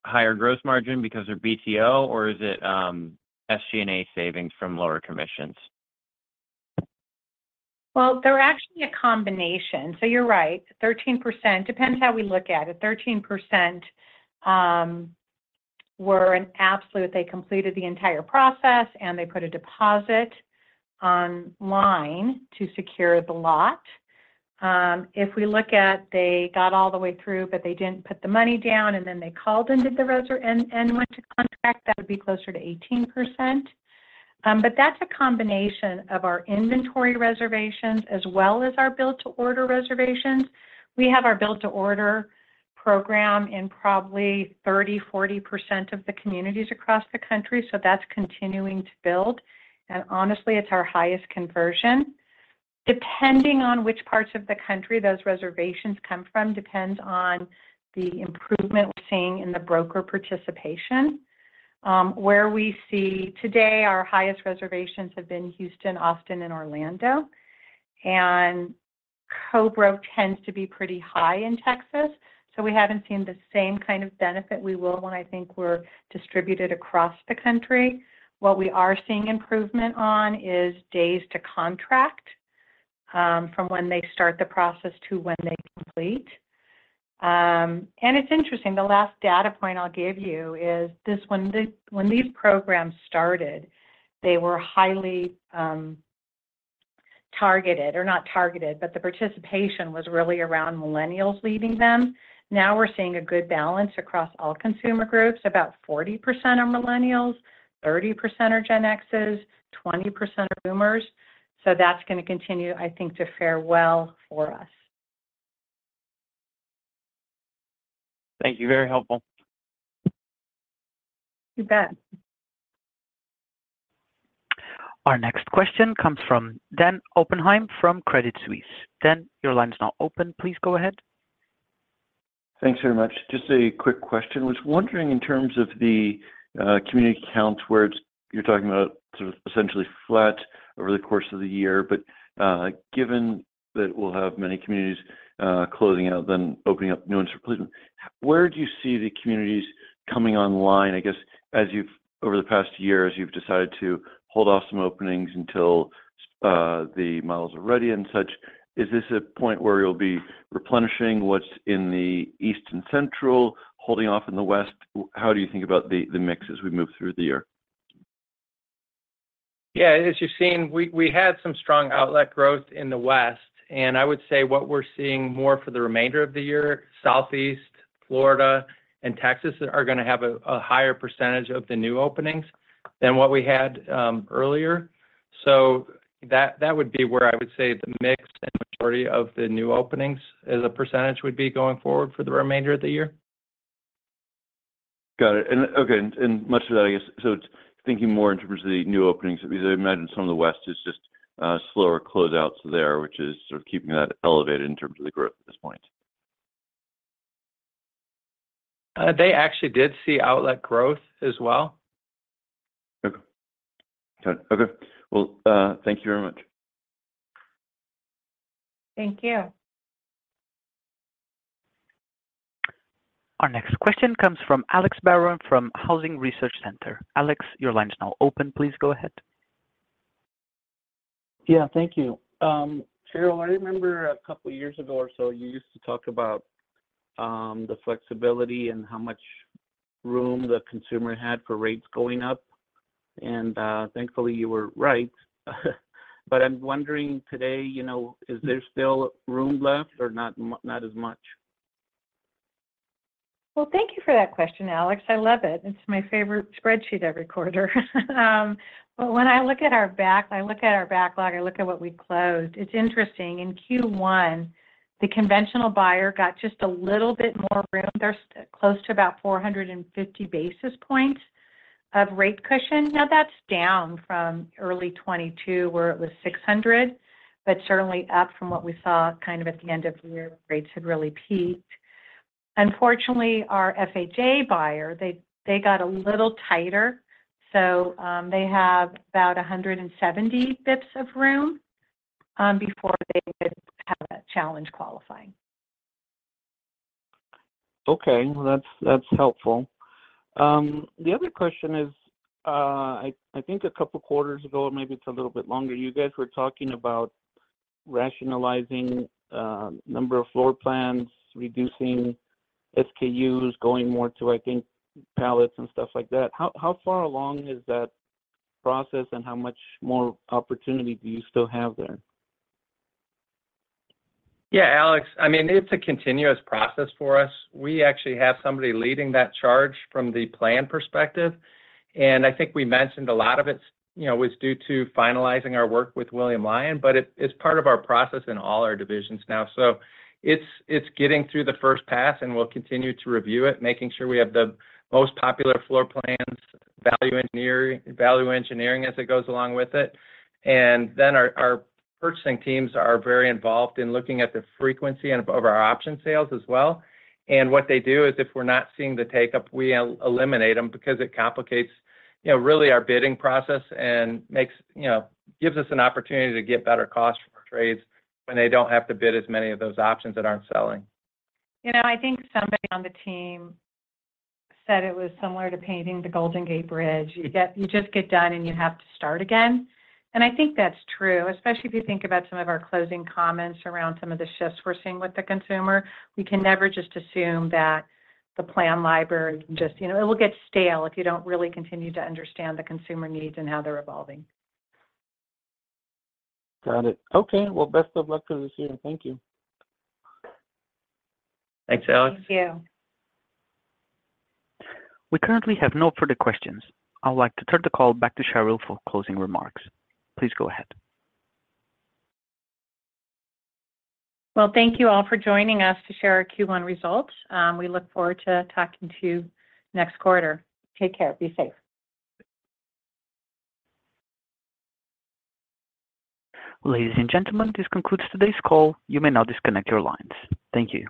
higher gross margin because they're BTO or is it SG&A savings from lower commissions? They're actually a combination. You're right, 13%. Depends how we look at it. 13% were an absolute, they completed the entire process, and they put a deposit online to secure the lot. If we look at they got all the way through, but they didn't put the money down, and then they called and went to contract, that would be closer to 18%. But that's a combination of our inventory reservations as well as our build to order reservations. We have our build to order program in probably 30%, 40% of the communities across the country, that's continuing to build. Honestly, it's our highest conversion. Depending on which parts of the country those reservations come from depends on the improvement we're seeing in the broker participation. Where we see today our highest reservations have been Houston, Austin and Orlando, and co-broke tends to be pretty high in Texas, so we haven't seen the same kind of benefit. We will when I think we're distributed across the country. What we are seeing improvement on is days to contract, from when they start the process to when they complete. It's interesting, the last data point I'll give you is this: when these programs started, they were highly targeted, or not targeted, but the participation was really around millennials leaving them. Now we're seeing a good balance across all consumer groups. About 40% are millennials, 30% are Gen X's, 20% are boomers. That's gonna continue, I think, to fare well for us. Thank you. Very helpful. You bet. Our next question comes from Dan Oppenheim from Credit Suisse. Dan, your line is now open. Please go ahead. Thanks very much. Just a quick question. Was wondering in terms of the community count where you're talking about sort of essentially flat over the course of the year. Given that we'll have many communities closing out then opening up new ones for replacement, where do you see the communities coming online? I guess as you've over the past year, as you've decided to hold off some openings until the models are ready and such, is this a point where you'll be replenishing what's in the East and Central, holding off in the West? How do you think about the mix as we move through the year? Yeah, as you've seen, we had some strong outlet growth in the West. I would say what we're seeing more for the remainder of the year, Southeast, Florida, and Texas are gonna have a higher percentage of the new openings than what we had earlier. That would be where I would say the mix and majority of the new openings as a percentage would be going forward for the remainder of the year. Got it. Okay, much of that, I guess, it's thinking more in terms of the new openings. I imagine some of the West is just slower closeouts there, which is sort of keeping that elevated in terms of the growth at this point. They actually did see outlet growth as well. Okay. Got it. Okay. Well, thank you very much. Thank you. Our next question comes from Alex Barron from Housing Research Center. Alex, your line is now open. Please go ahead. Yeah. Thank you. Sheryl, I remember a couple of years ago or so, you used to talk about, the flexibility and how much room the consumer had for rates going up, and, thankfully you were right. I'm wondering today, is there still room left or not as much? Well, thank you for that question, Alex. I love it. It's my favorite spreadsheet every quarter. When I look at our backlog, I look at what we closed. It's interesting. In Q1, the conventional buyer got just a little bit more room. They're close to about 450 basis points of rate cushion. That's down from early 2022, where it was 600, certainly up from what we saw kind of at the end of the year when rates had really peaked. Unfortunately, our FHA buyer, they got a little tighter, they have about 170 BPS of room before they would have a challenge qualifying. Okay. That's helpful. The other question is, I think a couple quarters ago, or maybe it's a little bit longer, you guys were talking about rationalizing, number of floor plans, reducing SKUs, going more to, I think, pallets and stuff like that. How far along is that process and how much more opportunity do you still have there? Yeah, Alex. I mean, it's a continuous process for us. We actually have somebody leading that charge from the plan perspective. I think we mentioned a lot of it's, you know, was due to finalizing our work with William Lyon, but it's part of our process in all our divisions now. It's getting through the first pass, and we'll continue to review it, making sure we have the most popular floor plans, value engineering as it goes along with it. Our purchasing teams are very involved in looking at the frequency of our option sales as well. What they do is if we're not seeing the take-up, we eliminate them because it complicates, really our bidding process and makes, gives us an opportunity to get better costs from our trades when they don't have to bid as many of those options that aren't selling. You know, I think somebody on the team said it was similar to painting the Golden Gate Bridge. You just get done, and you have to start again. I think that's true, especially if you think about some of our closing comments around some of the shifts we're seeing with the consumer. We can never just assume that the plan library can just. It will get stale if you don't really continue to understand the consumer needs and how they're evolving. Got it. Okay. Well, best of luck for this year. Thank you. Thanks, Alex. Thank you. We currently have no further questions. I'd like to turn the call back to Sheryl for closing remarks. Please go ahead. Thank you all for joining us to share our Q1 results. We look forward to talking to you next quarter. Take care. Be safe. Ladies and gentlemen, this concludes today's call. You may now disconnect your lines. Thank you.